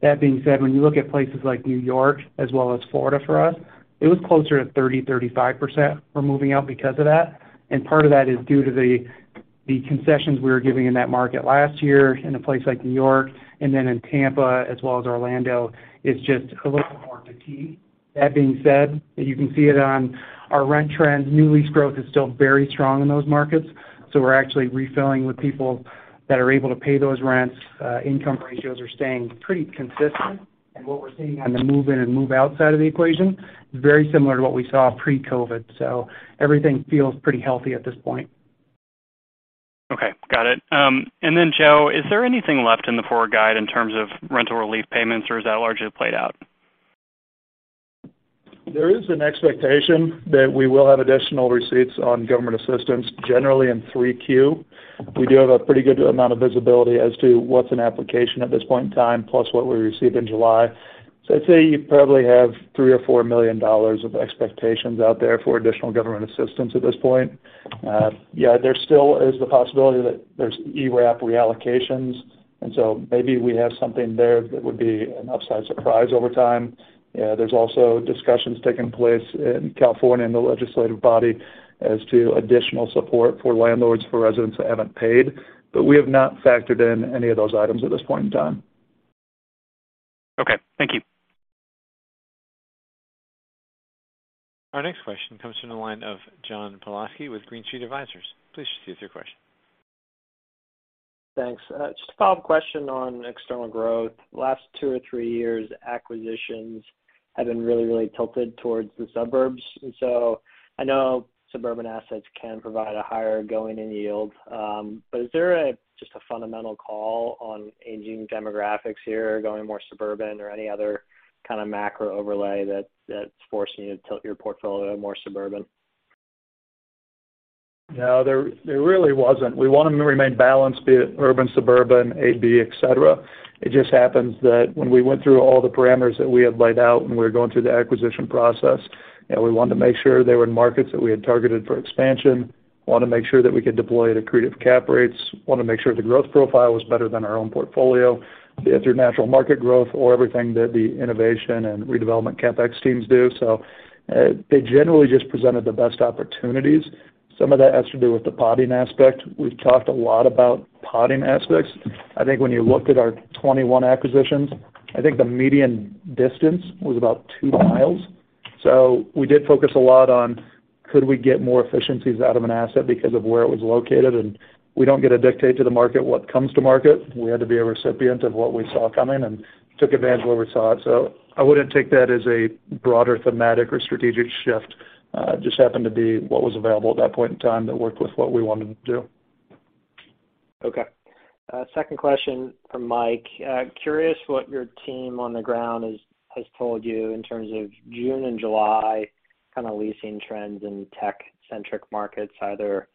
That being said, when you look at places like New York as well as Florida for us, it was closer to 30%-35% were moving out because of that. Part of that is due to the concessions we were giving in that market last year in a place like New York and then in Tampa as well as Orlando, it's just a little more acute. That being said, you can see it on our rent trend, new lease growth is still very strong in those markets, so we're actually refilling with people that are able to pay those rents. Income ratios are staying pretty consistent. What we're seeing on the move in and move out side of the equation is very similar to what we saw pre-COVID. Everything feels pretty healthy at this point. Okay, got it. Joe, is there anything left in the forward guide in terms of rental relief payments, or is that largely played out? There is an expectation that we will have additional receipts on government assistance generally in 3Q. We do have a pretty good amount of visibility as to what's in application at this point in time, plus what we received in July. I'd say you probably have $3 million-$4 million of expectations out there for additional government assistance at this point. Yeah, there still is the possibility that there's ERAP reallocations, and so maybe we have something there that would be an upside surprise over time. Yeah, there's also discussions taking place in California in the legislative body as to additional support for landlords, for residents that haven't paid. We have not factored in any of those items at this point in time. Okay. Thank you. Our next question comes from the line of John Pawlowski with Green Street Advisors. Please proceed with your question. Thanks. Just a follow-up question on external growth. Last two or three years, acquisitions have been really tilted towards the suburbs. I know suburban assets can provide a higher going-in yield. Is there just a fundamental call on aging demographics here going more suburban or any other kind of macro overlay that's forcing you to tilt your portfolio more suburban? No, there really wasn't. We want them to remain balanced, be it urban, suburban, AB, et cetera. It just happens that when we went through all the parameters that we had laid out when we were going through the acquisition process and we wanted to make sure they were in markets that we had targeted for expansion. Want to make sure that we could deploy at accretive cap rates, want to make sure the growth profile was better than our own portfolio, be it through natural market growth or everything that the innovation and redevelopment CapEx teams do. They generally just presented the best opportunities. Some of that has to do with the podding aspect. We've talked a lot about podding aspects. I think when you looked at our 21 acquisitions, I think the median distance was about 2 mi. We did focus a lot on could we get more efficiencies out of an asset because of where it was located. We don't get to dictate to the market what comes to market. We had to be a recipient of what we saw coming and took advantage of where we saw it. I wouldn't take that as a broader thematic or strategic shift. It just happened to be what was available at that point in time that worked with what we wanted to do. Okay. Second question from Mike. Curious what your team on the ground has told you in terms of June and July kind of leasing trends in tech-centric markets, either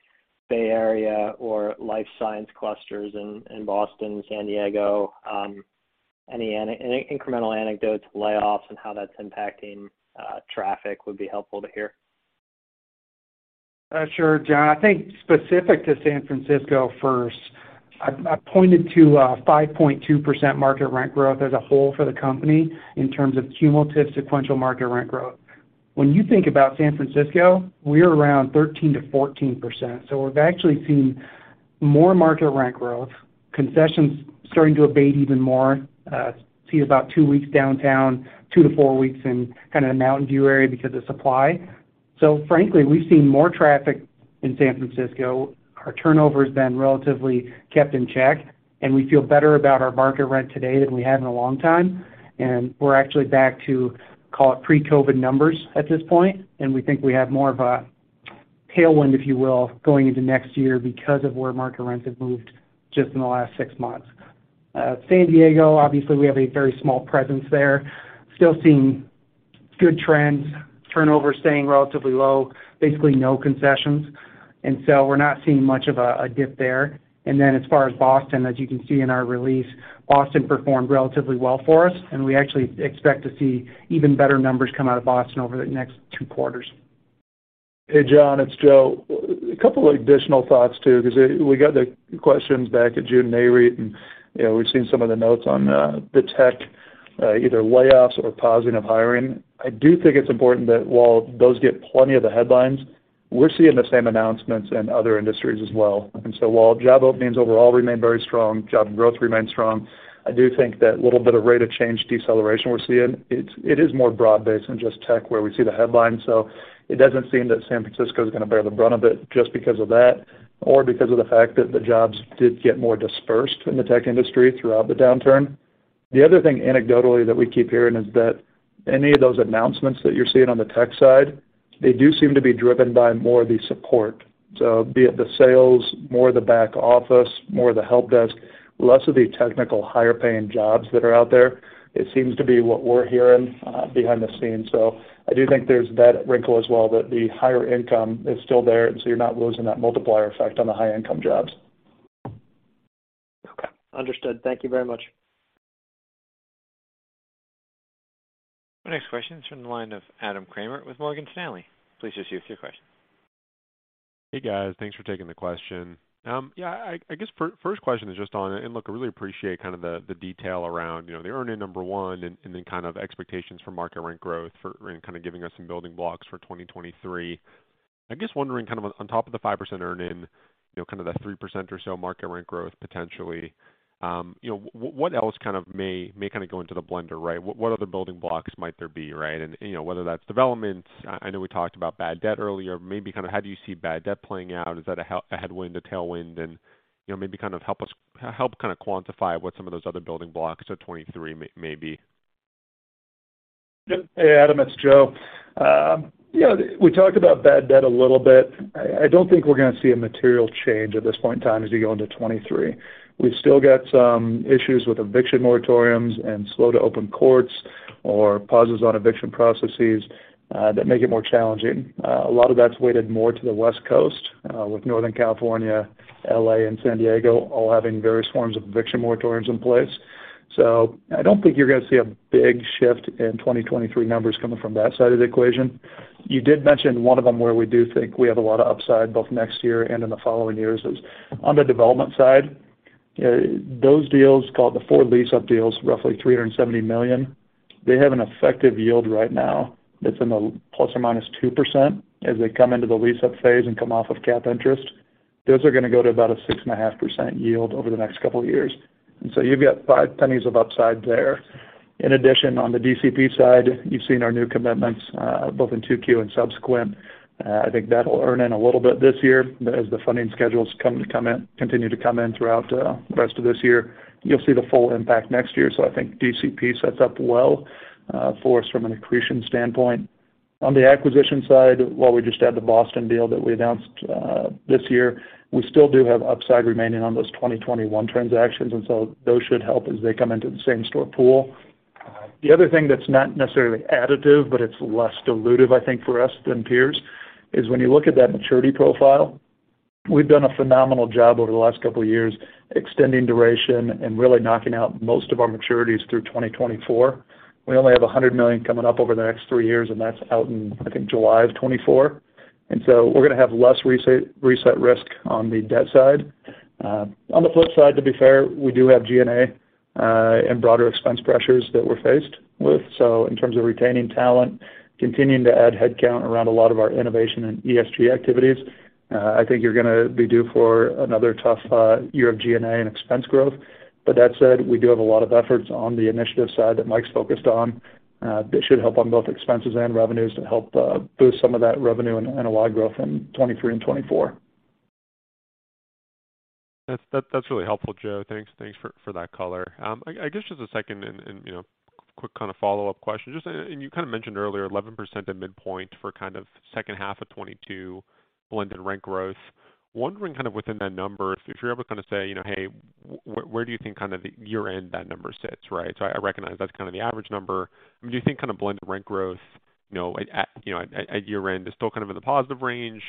Bay Area or life science clusters in Boston, San Diego? Any incremental anecdotes, layoffs, and how that's impacting traffic would be helpful to hear. Sure, John. I think specific to San Francisco first, I pointed to a 5.2% market rent growth as a whole for the company in terms of cumulative sequential market rent growth. When you think about San Francisco, we're around 13%-14%. We've actually seen more market rent growth, concessions starting to abate even more, we're seeing about two weeks downtown, two to four weeks in kind of the Mountain View area because of supply. Frankly, we've seen more traffic in San Francisco. Our turnover has been relatively kept in check, and we feel better about our market rent today than we have in a long time. We're actually back to, call it, pre-COVID numbers at this point, and we think we have more of a tailwind, if you will, going into next year because of where market rents have moved just in the last six months. San Diego, obviously we have a very small presence there. Still seeing good trends, turnover staying relatively low, basically no concessions. We're not seeing much of a dip there. Then as far as Boston, as you can see in our release, Boston performed relatively well for us, and we actually expect to see even better numbers come out of Boston over the next two quarters. Hey, John, it's Joe. A couple additional thoughts too, because we got the questions back at June NAREIT, and, you know, we've seen some of the notes on the tech, either layoffs or pausing of hiring. I do think it's important that while those get plenty of the headlines, we're seeing the same announcements in other industries as well. While job openings overall remain very strong, job growth remains strong, I do think that little bit of rate of change deceleration we're seeing, it is more broad-based than just tech where we see the headlines. It doesn't seem that San Francisco is gonna bear the brunt of it just because of that or because of the fact that the jobs did get more dispersed in the tech industry throughout the downturn. The other thing anecdotally that we keep hearing is that any of those announcements that you're seeing on the tech side, they do seem to be driven by more of the support. Be it the sales, more the back office, more the help desk, less of the technical higher paying jobs that are out there. It seems to be what we're hearing behind the scenes. I do think there's that wrinkle as well, that the higher income is still there, and so you're not losing that multiplier effect on the high income jobs. Understood. Thank you very much. The next question is from the line of Adam Kramer with Morgan Stanley. Please proceed with your question. Hey, guys. Thanks for taking the question. Yeah, I guess first question is just on. Look, I really appreciate kind of the detail around, you know, the earn in number one and then kind of expectations for market rent growth for and kind of giving us some building blocks for 2023. I guess wondering kind of on top of the 5% earn in, you know, kind of the 3% or so market rent growth potentially, you know, what else kind of may kind of go into the blender, right? What other building blocks might there be, right? You know, whether that's development. I know we talked about bad debt earlier. Maybe kind of how do you see bad debt playing out? Is that a headwind, a tailwind? You know, maybe kind of help us help kind of quantify what some of those other building blocks of 23 may be. Yep. Hey, Adam, it's Joe. You know, we talked about bad debt a little bit. I don't think we're gonna see a material change at this point in time as we go into 2023. We've still got some issues with eviction moratoriums and slow to open courts or pauses on eviction processes that make it more challenging. A lot of that's weighted more to the West Coast with Northern California, L.A., and San Diego all having various forms of eviction moratoriums in place. I don't think you're gonna see a big shift in 2023 numbers coming from that side of the equation. You did mention one of them where we do think we have a lot of upside both next year and in the following years is on the development side. Those deals, call it the four lease up deals, roughly $370 million, they have an effective yield right now that's in the ±2% as they come into the lease up phase and come off of cap interest. Those are gonna go to about a 6.5% yield over the next couple of years. You've got five pennies of upside there. In addition, on the DCP side, you've seen our new commitments, both in 2Q and subsequent. I think that'll earn in a little bit this year as the funding schedules come in and continue to come in throughout the rest of this year. You'll see the full impact next year. I think DCP sets up well for us from an accretion standpoint. On the acquisition side, while we just had the Boston deal that we announced this year, we still do have upside remaining on those 2021 transactions, and so those should help as they come into the same store pool. The other thing that's not necessarily additive, but it's less dilutive, I think, for us than peers, is when you look at that maturity profile, we've done a phenomenal job over the last couple of years extending duration and really knocking out most of our maturities through 2024. We only have $100 million coming up over the next three years, and that's out in, I think, July 2024. We're gonna have less reset risk on the debt side. On the flip side, to be fair, we do have G&A and broader expense pressures that we're faced with. In terms of retaining talent, continuing to add headcount around a lot of our innovation and ESG activities, I think you're gonna be due for another tough year of G&A and expense growth. That said, we do have a lot of efforts on the initiative side that Mike's focused on, that should help on both expenses and revenues to help boost some of that revenue and a lot of growth in 2023 and 2024. That's really helpful, Joe. Thanks. Thanks for that color. I guess just a second and you know, quick kind of follow-up question. You kind of mentioned earlier 11% at midpoint for kind of second half of 2022 blended rent growth. Wondering kind of within that number if you're able to kind of say, you know, "Hey, where do you think kind of year-end that number sits," right? I recognize that's kind of the average number. I mean, do you think kind of blended rent growth, you know, at year-end is still kind of in the positive range?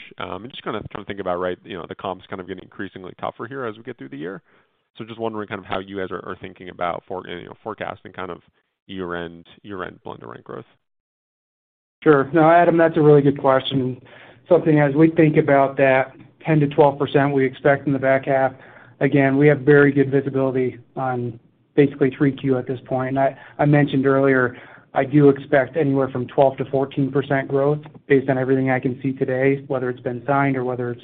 Just kind of trying to think about, you know, the comps kind of getting increasingly tougher here as we get through the year. Just wondering kind of how you guys are thinking about, you know, forecasting kind of year-end blended rent growth? Sure. No, Adam, that's a really good question. Something as we think about that 10%-12% we expect in the back half. Again, we have very good visibility on basically 3Q at this point. I mentioned earlier, I do expect anywhere from 12%-14% growth based on everything I can see today, whether it's been signed or whether it's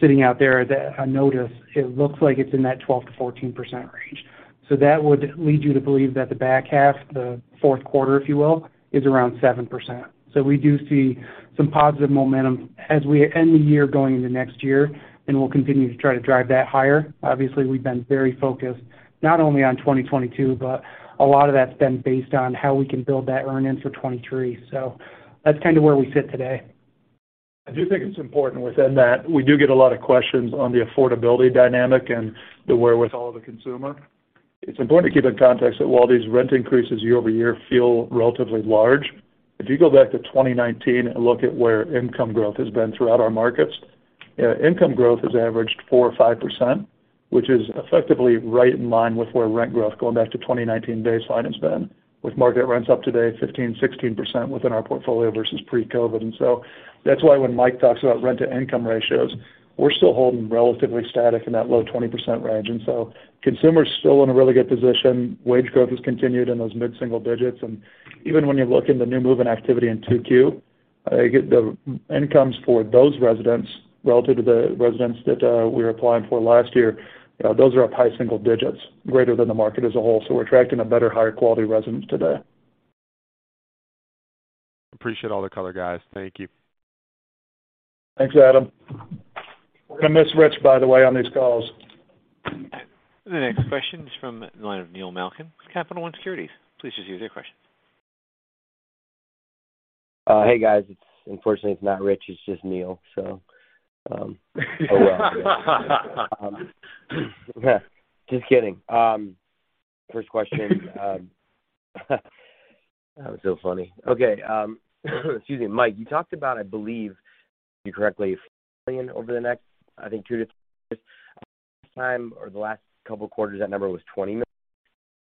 sitting out there that I notice it looks like it's in that 12%-14% range. That would lead you to believe that the back half, the fourth quarter, if you will, is around 7%. We do see some positive momentum as we end the year going into next year, and we'll continue to try to drive that higher. Obviously, we've been very focused not only on 2022, but a lot of that's been based on how we can build that earn in for 2023. That's kind of where we sit today. I do think it's important within that we do get a lot of questions on the affordability dynamic and the wherewithal of the consumer. It's important to keep in context that while these rent increases year over year feel relatively large, if you go back to 2019 and look at where income growth has been throughout our markets, income growth has averaged 4% or 5%, which is effectively right in line with where rent growth going back to 2019 baseline has been, with market rents up today 15%-16% within our portfolio versus pre-COVID. That's why when Mike talks about rent to income ratios, we're still holding relatively static in that low 20% range. Consumers still in a really good position. Wage growth has continued in those mid-single digits. Even when you look in the new move-in activity in 2Q, the incomes for those residents relative to the residents that we were applying for last year, those are up high single digits, greater than the market as a whole. We're attracting a better, higher quality residents today. Appreciate all the color, guys. Thank you. Thanks, Adam. We're gonna miss Rich, by the way, on these calls. The next question is from the line of Neil Malkin with Capital One Securities. Please state your question. Hey, guys. It's, unfortunately, it's not Rich. It's just Neil. Just kidding. First question. That was so funny. Okay, excuse me. Mike, you talked about, I believe you correctly, $1 million. Last time or the last couple of quarters, that number was $20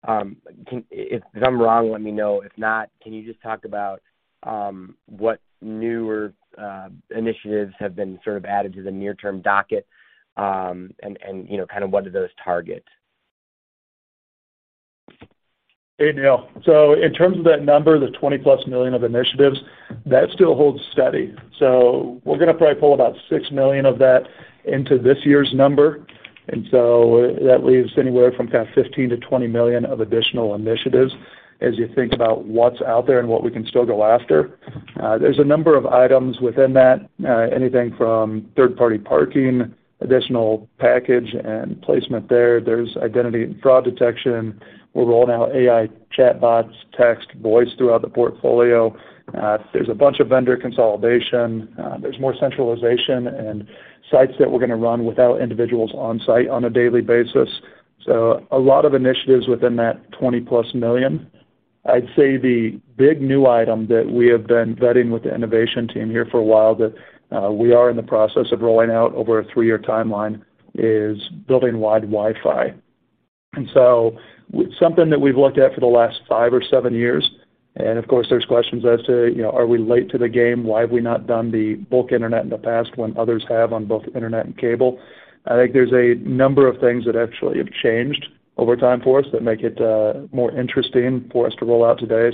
million. If I'm wrong, let me know. If not, can you just talk about what newer initiatives have been sort of added to the near-term docket, and you know, kind of what do those target? Hey, Neil. In terms of that number, the $20+ million of initiatives, that still holds steady. We're gonna probably pull about $6 million of that into this year's number, and that leaves anywhere from kind of $15-$20 million of additional initiatives as you think about what's out there and what we can still go after. There's a number of items within that, anything from third-party parking, additional package and placement there. There's identity and fraud detection. We're rolling out AI chatbots, text, voice throughout the portfolio. There's a bunch of vendor consolidation. There's more centralization and sites that we're gonna run without individuals on site on a daily basis. A lot of initiatives within that $20+ million. I'd say the big new item that we have been vetting with the innovation team here for a while that we are in the process of rolling out over a three-year timeline is building wide Wi-Fi. Something that we've looked at for the last five or seven years, and of course there's questions as to, you know, are we late to the game? Why have we not done the bulk internet in the past when others have on both internet and cable? I think there's a number of things that actually have changed over time for us that make it more interesting for us to roll out today.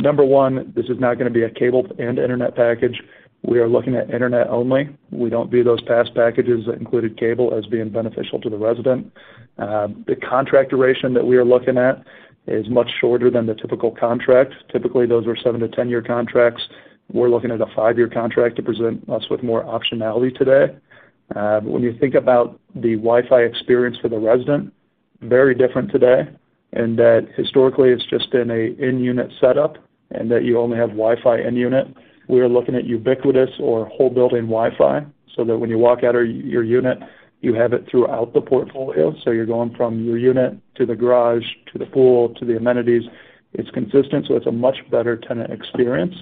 Number one, this is not gonna be a cable and internet package. We are looking at internet only. We don't view those past packages that included cable as being beneficial to the resident. The contract duration that we are looking at is much shorter than the typical contract. Typically, those are seven-10-year contracts. We're looking at a five-year contract to present us with more optionality today. When you think about the Wi-Fi experience for the resident, very different today, in that historically it's just been an in-unit setup and that you only have Wi-Fi in-unit. We are looking at ubiquitous or whole building Wi-Fi, so that when you walk out of your unit, you have it throughout the portfolio. You're going from your unit to the garage, to the pool, to the amenities. It's consistent, so it's a much better tenant experience.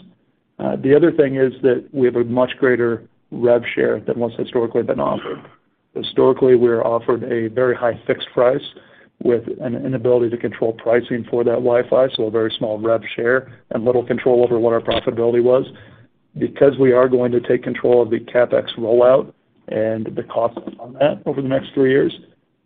The other thing is that we have a much greater rev share than what's historically been offered. Historically, we're offered a very high fixed price with an inability to control pricing for that Wi-Fi, so a very small rev share and little control over what our profitability was. Because we are going to take control of the CapEx rollout and the cost on that over the next three years,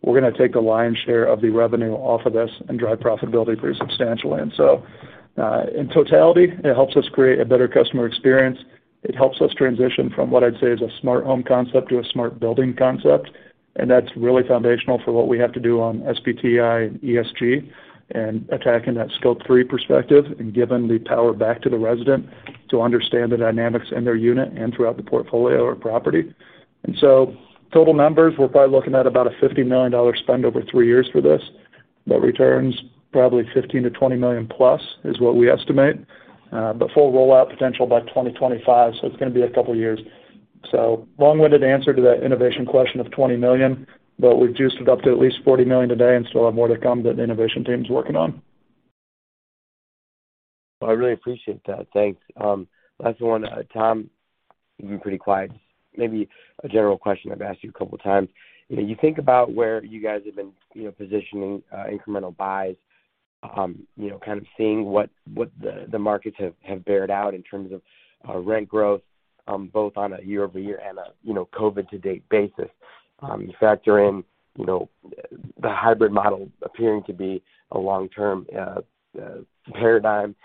we're gonna take a lion's share of the revenue off of this and drive profitability pretty substantially. In totality, it helps us create a better customer experience. It helps us transition from what I'd say is a smart home concept to a smart building concept, and that's really foundational for what we have to do on SBTi and ESG, and attacking that scope three perspective and giving the power back to the resident to understand the dynamics in their unit and throughout the portfolio or property. Total numbers, we're probably looking at about a $50 million spend over three years for this, but returns probably $15 million-$20 million-plus is what we estimate. Full rollout potential by 2025, so it's gonna be a couple of years. Long-winded answer to that innovation question of $20 million, but we've juiced it up to at least $40 million today and still have more to come that the innovation team's working on. I really appreciate that. Thanks. Last one, Tom, you've been pretty quiet. Maybe a general question I've asked you a couple of times. You know, you think about where you guys have been, you know, positioning, incremental buys, you know, kind of seeing what the markets have borne out in terms of, rent growth, both on a year-over-year and a, you know, COVID to date basis. You factor in, you know, the hybrid model appearing to be a long-term, paradigm,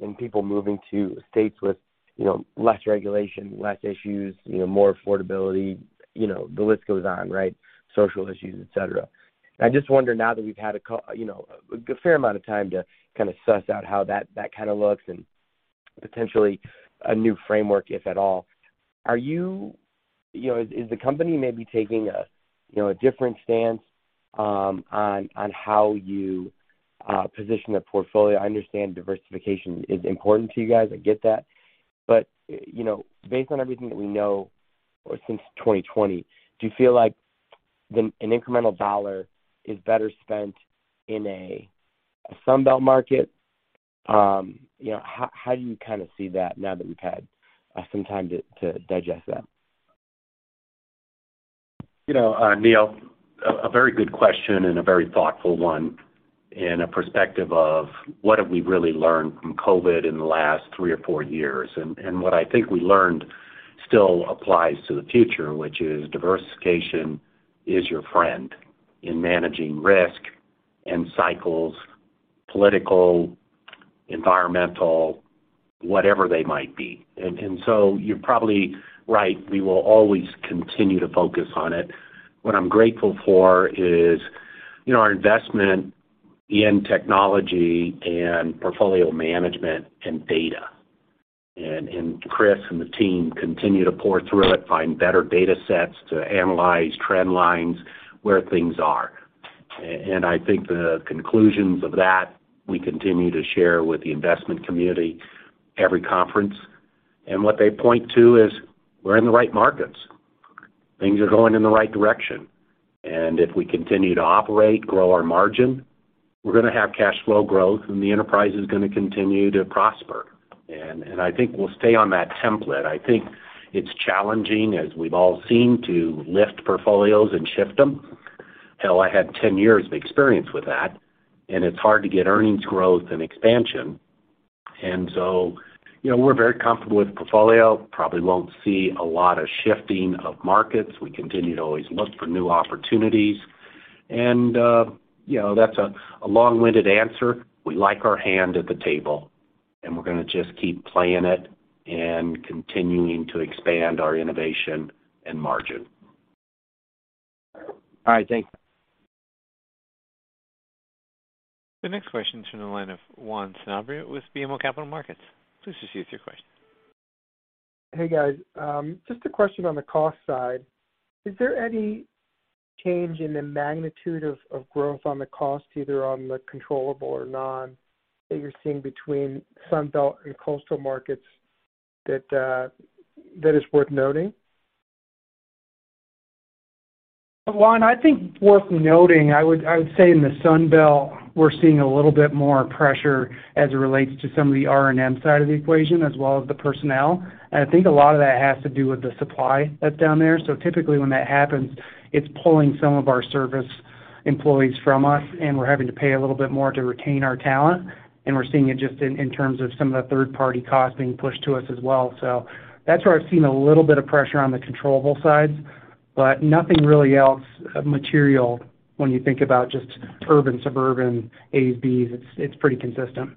and people moving to states with, you know, less regulation, less issues, you know, more affordability, you know, the list goes on, right? Social issues, et cetera. I just wonder now that we've had a fair amount of time to kind of suss out how that kind of looks and potentially a new framework, if at all. Are you? You know, is the company maybe taking a different stance on how you position a portfolio? I understand diversification is important to you guys. I get that. You know, based on everything that we know or since 2020, do you feel like an incremental dollar is better spent in a Sun Belt market? You know, how do you kind of see that now that we've had some time to digest that? You know, Neil, a very good question and a very thoughtful one from a perspective of what have we really learned from COVID in the last three or four years. What I think we learned still applies to the future, which is diversification is your friend in managing risk and cycles, political, environmental, whatever they might be. So you're probably right, we will always continue to focus on it. What I'm grateful for is, you know, our investment in technology and portfolio management and data. Chris and the team continue to pore through it, find better data sets to analyze trend lines, where things are. I think the conclusions of that, we continue to share with the investment community every conference. What they point to is we're in the right markets. Things are going in the right direction. If we continue to operate, grow our margin, we're gonna have cash flow growth, and the enterprise is gonna continue to prosper. I think we'll stay on that template. I think it's challenging, as we've all seen, to lift portfolios and shift them. Hell, I had 10 years of experience with that, and it's hard to get earnings growth and expansion. You know, we're very comfortable with the portfolio. Probably won't see a lot of shifting of markets. We continue to always look for new opportunities. You know, that's a long-winded answer. We like our hand at the table, and we're gonna just keep playing it and continuing to expand our innovation and margin. All right. Thank you. The next question is from the line of Juan Sanabria with BMO Capital Markets. Please proceed with your question. Hey, guys. Just a question on the cost side. Is there any change in the magnitude of growth on the cost, either on the controllable or non, that you're seeing between Sunbelt and coastal markets that is worth noting? Juan Sanabria, I think it's worth noting, I would say in the Sun Belt, we're seeing a little bit more pressure as it relates to some of the R&M side of the equation as well as the personnel. I think a lot of that has to do with the supply that's down there. Typically, when that happens, it's pulling some of our service employees from us, and we're having to pay a little bit more to retain our talent, and we're seeing it just in terms of some of the third-party costs being pushed to us as well. That's where I've seen a little bit of pressure on the controllable side, but nothing really else of material when you think about just urban, suburban, A, Bs. It's pretty consistent.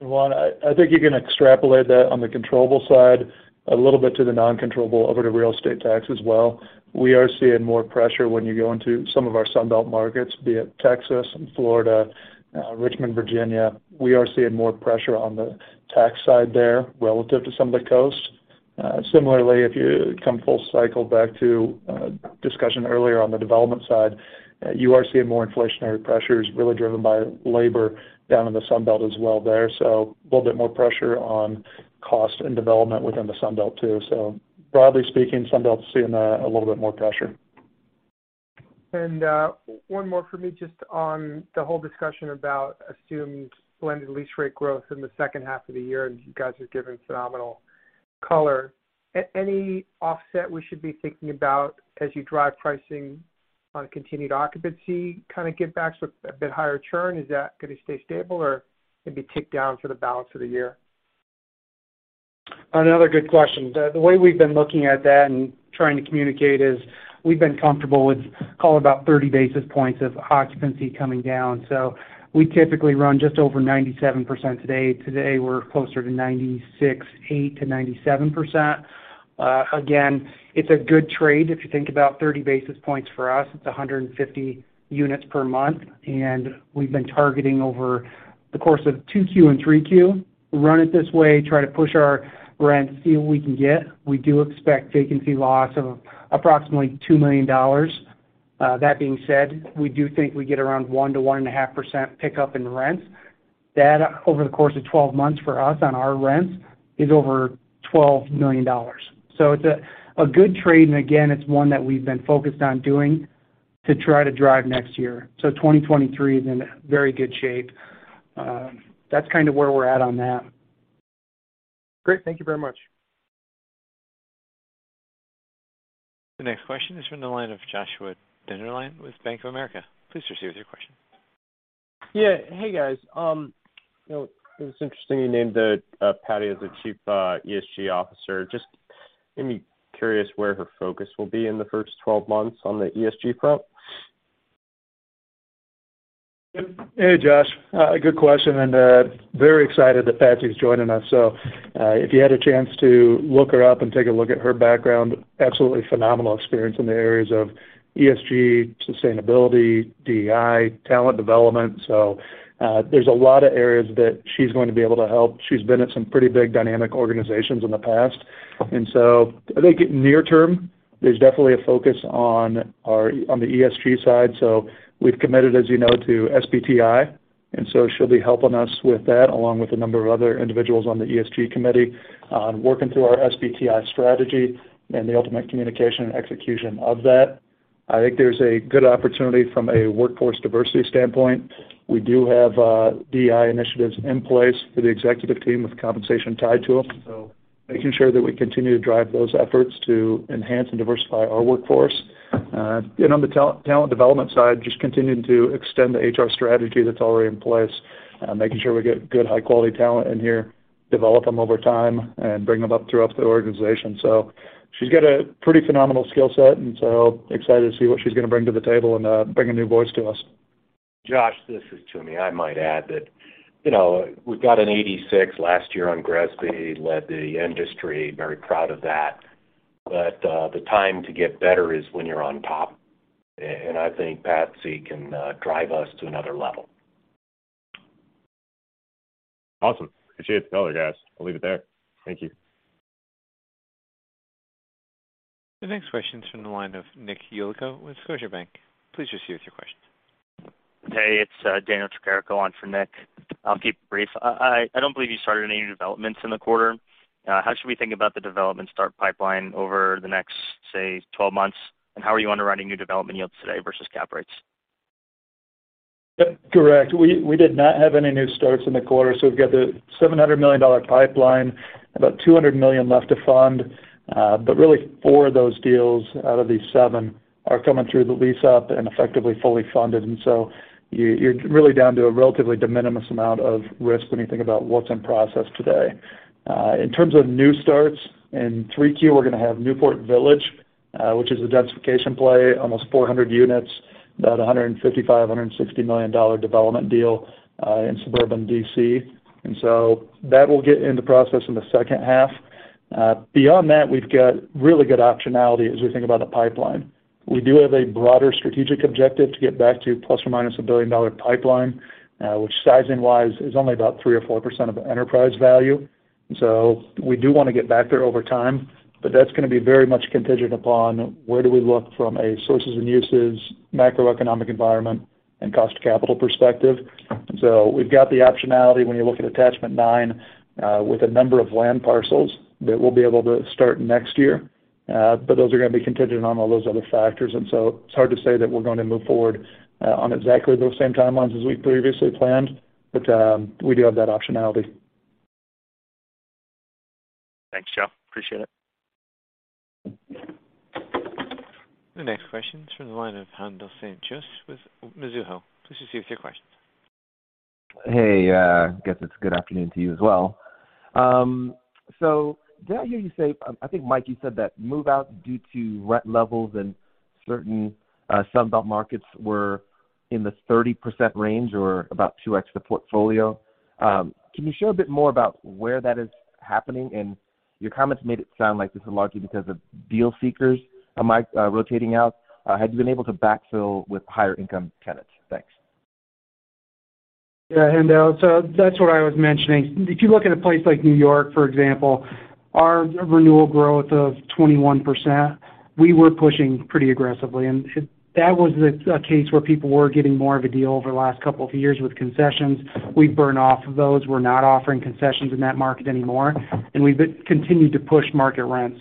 Juan, I think you can extrapolate that on the controllable side a little bit to the non-controllable over to real estate tax as well. We are seeing more pressure when you go into some of our Sunbelt markets, be it Texas and Florida, Richmond, Virginia. We are seeing more pressure on the tax side there relative to some of the coast. Similarly, if you come full cycle back to discussion earlier on the development side, you are seeing more inflationary pressures really driven by labor down in the Sunbelt as well there. A little bit more pressure on cost and development within the Sunbelt too. Broadly speaking, Sunbelt's seeing a little bit more pressure. One more for me just on the whole discussion about assumed blended lease rate growth in the second half of the year, and you guys have given phenomenal color. Any offset we should be thinking about as you drive pricing on continued occupancy kinda give backs with a bit higher churn? Is that gonna stay stable, or maybe tick down for the balance of the year? Another good question. The way we've been looking at that and trying to communicate is we've been comfortable with call it about 30 basis points of occupancy coming down. We typically run just over 97% today. Today, we're closer to 96.8%-97%. Again, it's a good trade. If you think about 30 basis points for us, it's 150 units per month, and we've been targeting over the course of 2Q and 3Q. Run it this way, try to push our rent, see what we can get. We do expect vacancy loss of approximately $2 million. That being said, we do think we get around 1%-1.5% pickup in rents. That over the course of 12 months for us on our rents is over $12 million. It's a good trade, and again, it's one that we've been focused on doing to try to drive next year. 2023 is in very good shape. That's kinda where we're at on that. Great. Thank you very much. The next question is from the line of Joshua Dennerlein with Bank of America. Please proceed with your question. Yeah. Hey, guys. You know, it was interesting you named Patsy Doerr as the chief ESG officer. Just made me curious where her focus will be in the first 12 months on the ESG front. Hey, Josh. Good question, and very excited that Patty's joining us. If you had a chance to look her up and take a look at her background, absolutely phenomenal experience in the areas of ESG, sustainability, DEI, talent development. There's a lot of areas that she's going to be able to help. She's been at some pretty big dynamic organizations in the past. I think near term, there's definitely a focus on our ESG side. We've committed, as you know, to SBTi, and she'll be helping us with that, along with a number of other individuals on the ESG committee on working through our SBTi strategy and the ultimate communication and execution of that. I think there's a good opportunity from a workforce diversity standpoint. We do have DEI initiatives in place for the executive team with compensation tied to them, so making sure that we continue to drive those efforts to enhance and diversify our workforce. On the talent development side, just continuing to extend the HR strategy that's already in place, making sure we get good high-quality talent in here, develop them over time, and bring them up throughout the organization. She's got a pretty phenomenal skill set, and so excited to see what she's gonna bring to the table and bring a new voice to us. Josh, this is Jimmy. I might add that, you know, we've got an 86 last year on GRESB, led the industry, very proud of that. The time to get better is when you're on top. I think Patsy can drive us to another level. Awesome. Appreciate it. Tell her, guys. I'll leave it there. Thank you. The next question is from the line of Nick Yulico with Scotiabank. Please proceed with your question. Hey, it's Daniel Tricarico on for Nick. I'll keep it brief. I don't believe you started any new developments in the quarter. How should we think about the development start pipeline over the next, say, 12 months? How are you underwriting new development yields today versus cap rates? Yep, correct. We did not have any new starts in the quarter, so we've got the $700 million pipeline, about $200 million left to fund. Really four of those deals out of these seven are coming through the lease up and effectively fully funded. You're really down to a relatively de minimis amount of risk when you think about what's in process today. In terms of new starts, in 3Q, we're gonna have Newport Village, which is a densification play, almost 400 units, about a $155 million-$160 million development deal, in suburban D.C. That will get in the process in the second half. Beyond that, we've got really good optionality as we think about the pipeline. We do have a broader strategic objective to get back to plus or minus a billion-dollar pipeline, which sizing-wise is only about 3% or 4% of the enterprise value. We do wanna get back there over time, but that's gonna be very much contingent upon where we look from a sources and uses macroeconomic environment and cost of capital perspective. We've got the optionality when you look at attachment nine, with a number of land parcels that we'll be able to start next year. Those are gonna be contingent on all those other factors. It's hard to say that we're gonna move forward on exactly those same timelines as we previously planned. We do have that optionality. Thanks, Joe. Appreciate it. The next question is from the line of Haendel St. Juste with Mizuho. Please proceed with your question. Hey, guess it's good afternoon to you as well. So did I hear you say? I think, Mike, you said that move-out due to rent levels in certain Sun Belt markets were in the 30% range or about 2x the portfolio. Can you share a bit more about where that is happening? Your comments made it sound like this is largely because of deal seekers, Mike, rotating out. Have you been able to backfill with higher income tenants? Thanks. Yeah, Haendel, so that's what I was mentioning. If you look at a place like New York, for example, our renewal growth of 21%, we were pushing pretty aggressively. That was a case where people were getting more of a deal over the last couple of years with concessions. We've burned off of those. We're not offering concessions in that market anymore, and we've continued to push market rents.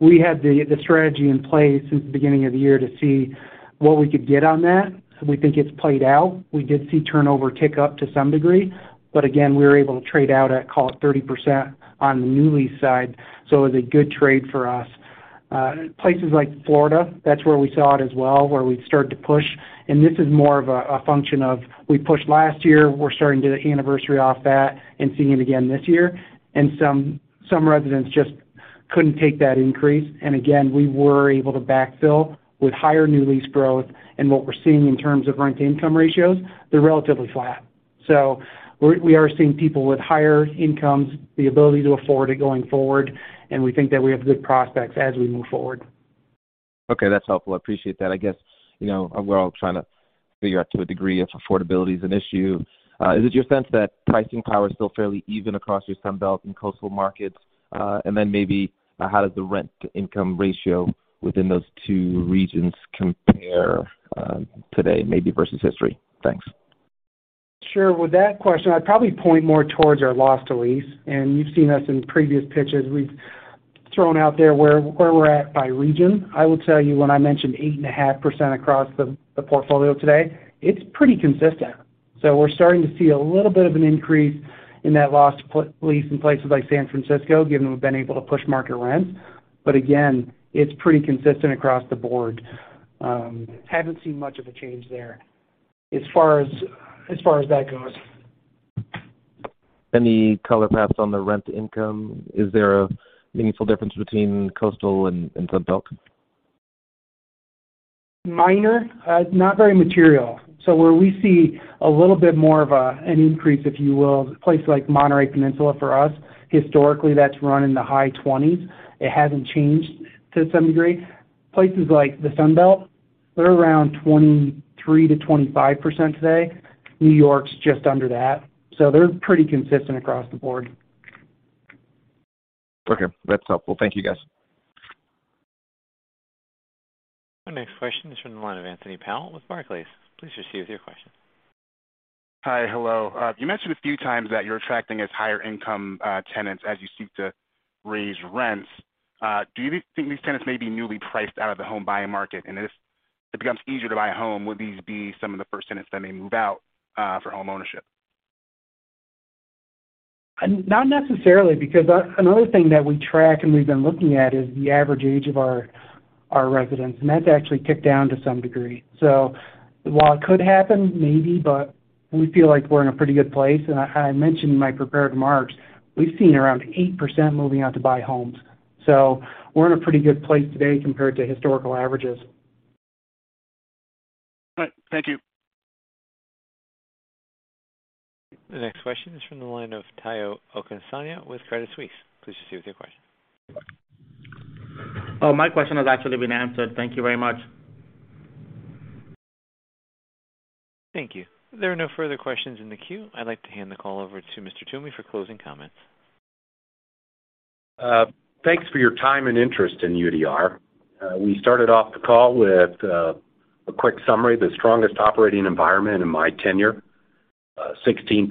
We had the strategy in place since the beginning of the year to see what we could get on that. We think it's played out. We did see turnover tick up to some degree, but again, we were able to trade out at, call it 30% on the new lease side. It was a good trade for us. Places like Florida, that's where we saw it as well, where we've started to push, and this is more of a function of we pushed last year. We're starting to get anniversary off that and seeing it again this year. Some residents just couldn't take that increase. Again, we were able to backfill with higher new lease growth. What we're seeing in terms of rent-to-income ratios, they're relatively flat. We're seeing people with higher incomes, the ability to afford it going forward, and we think that we have good prospects as we move forward. Okay, that's helpful. I appreciate that. I guess, you know, we're all trying to figure out to a degree if affordability is an issue. Is it your sense that pricing power is still fairly even across your Sun Belt and coastal markets? Maybe how does the rent-to-income ratio within those two regions compare, today maybe versus history? Thanks. Sure. With that question, I'd probably point more towards our loss to lease, and you've seen us in previous pitches. We've thrown out there where we're at by region. I will tell you when I mentioned 8.5% across the portfolio today, it's pretty consistent. We're starting to see a little bit of an increase in that loss to lease in places like San Francisco, given we've been able to push market rents. But again, it's pretty consistent across the board. Haven't seen much of a change there as far as that goes. Any color perhaps on the rent-to-income? Is there a meaningful difference between coastal and Sun Belt? Minor. Not very material. Where we see a little bit more of an increase, if you will, places like Monterey Peninsula for us, historically, that's run in the high 20s. It hasn't changed to some degree. Places like the Sun Belt, they're around 23%-25% today. New York's just under that. They're pretty consistent across the board. Okay, that's helpful. Thank you, guys. Our next question is from the line of Anthony Powell with Barclays. Please proceed with your question. You mentioned a few times that you're attracting higher income tenants as you seek to raise rents. Do you think these tenants may be newly priced out of the home buying market? If it becomes easier to buy a home, would these be some of the first tenants that may move out for homeownership? Not necessarily, because another thing that we track and we've been looking at is the average age of our residents, and that's actually ticked down to some degree. While it could happen, maybe, but we feel like we're in a pretty good place. I mentioned in my prepared remarks, we've seen around 8% moving out to buy homes. We're in a pretty good place today compared to historical averages. All right. Thank you. The next question is from the line of Omotayo Okusanya with Credit Suisse. Please proceed with your question. Oh, my question has actually been answered. Thank you very much. Thank you. There are no further questions in the queue. I'd like to hand the call over to Mr. Toomey for closing comments. Thanks for your time and interest in UDR. We started off the call with a quick summary, the strongest operating environment in my tenure. 16%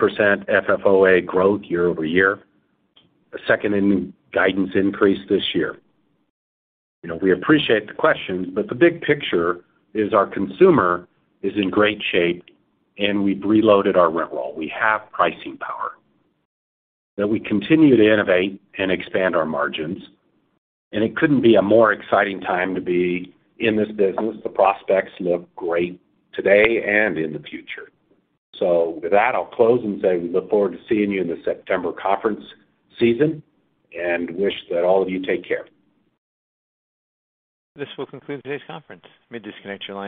FFOA growth year-over-year. A second guidance increase this year. You know, we appreciate the questions, but the big picture is our consumer is in great shape, and we've reloaded our rent roll. We have pricing power that we continue to innovate and expand our margins, and it couldn't be a more exciting time to be in this business. The prospects look great today and in the future. With that, I'll close and say we look forward to seeing you in the September conference season and wish that all of you take care. This will conclude today's conference. You may disconnect your line.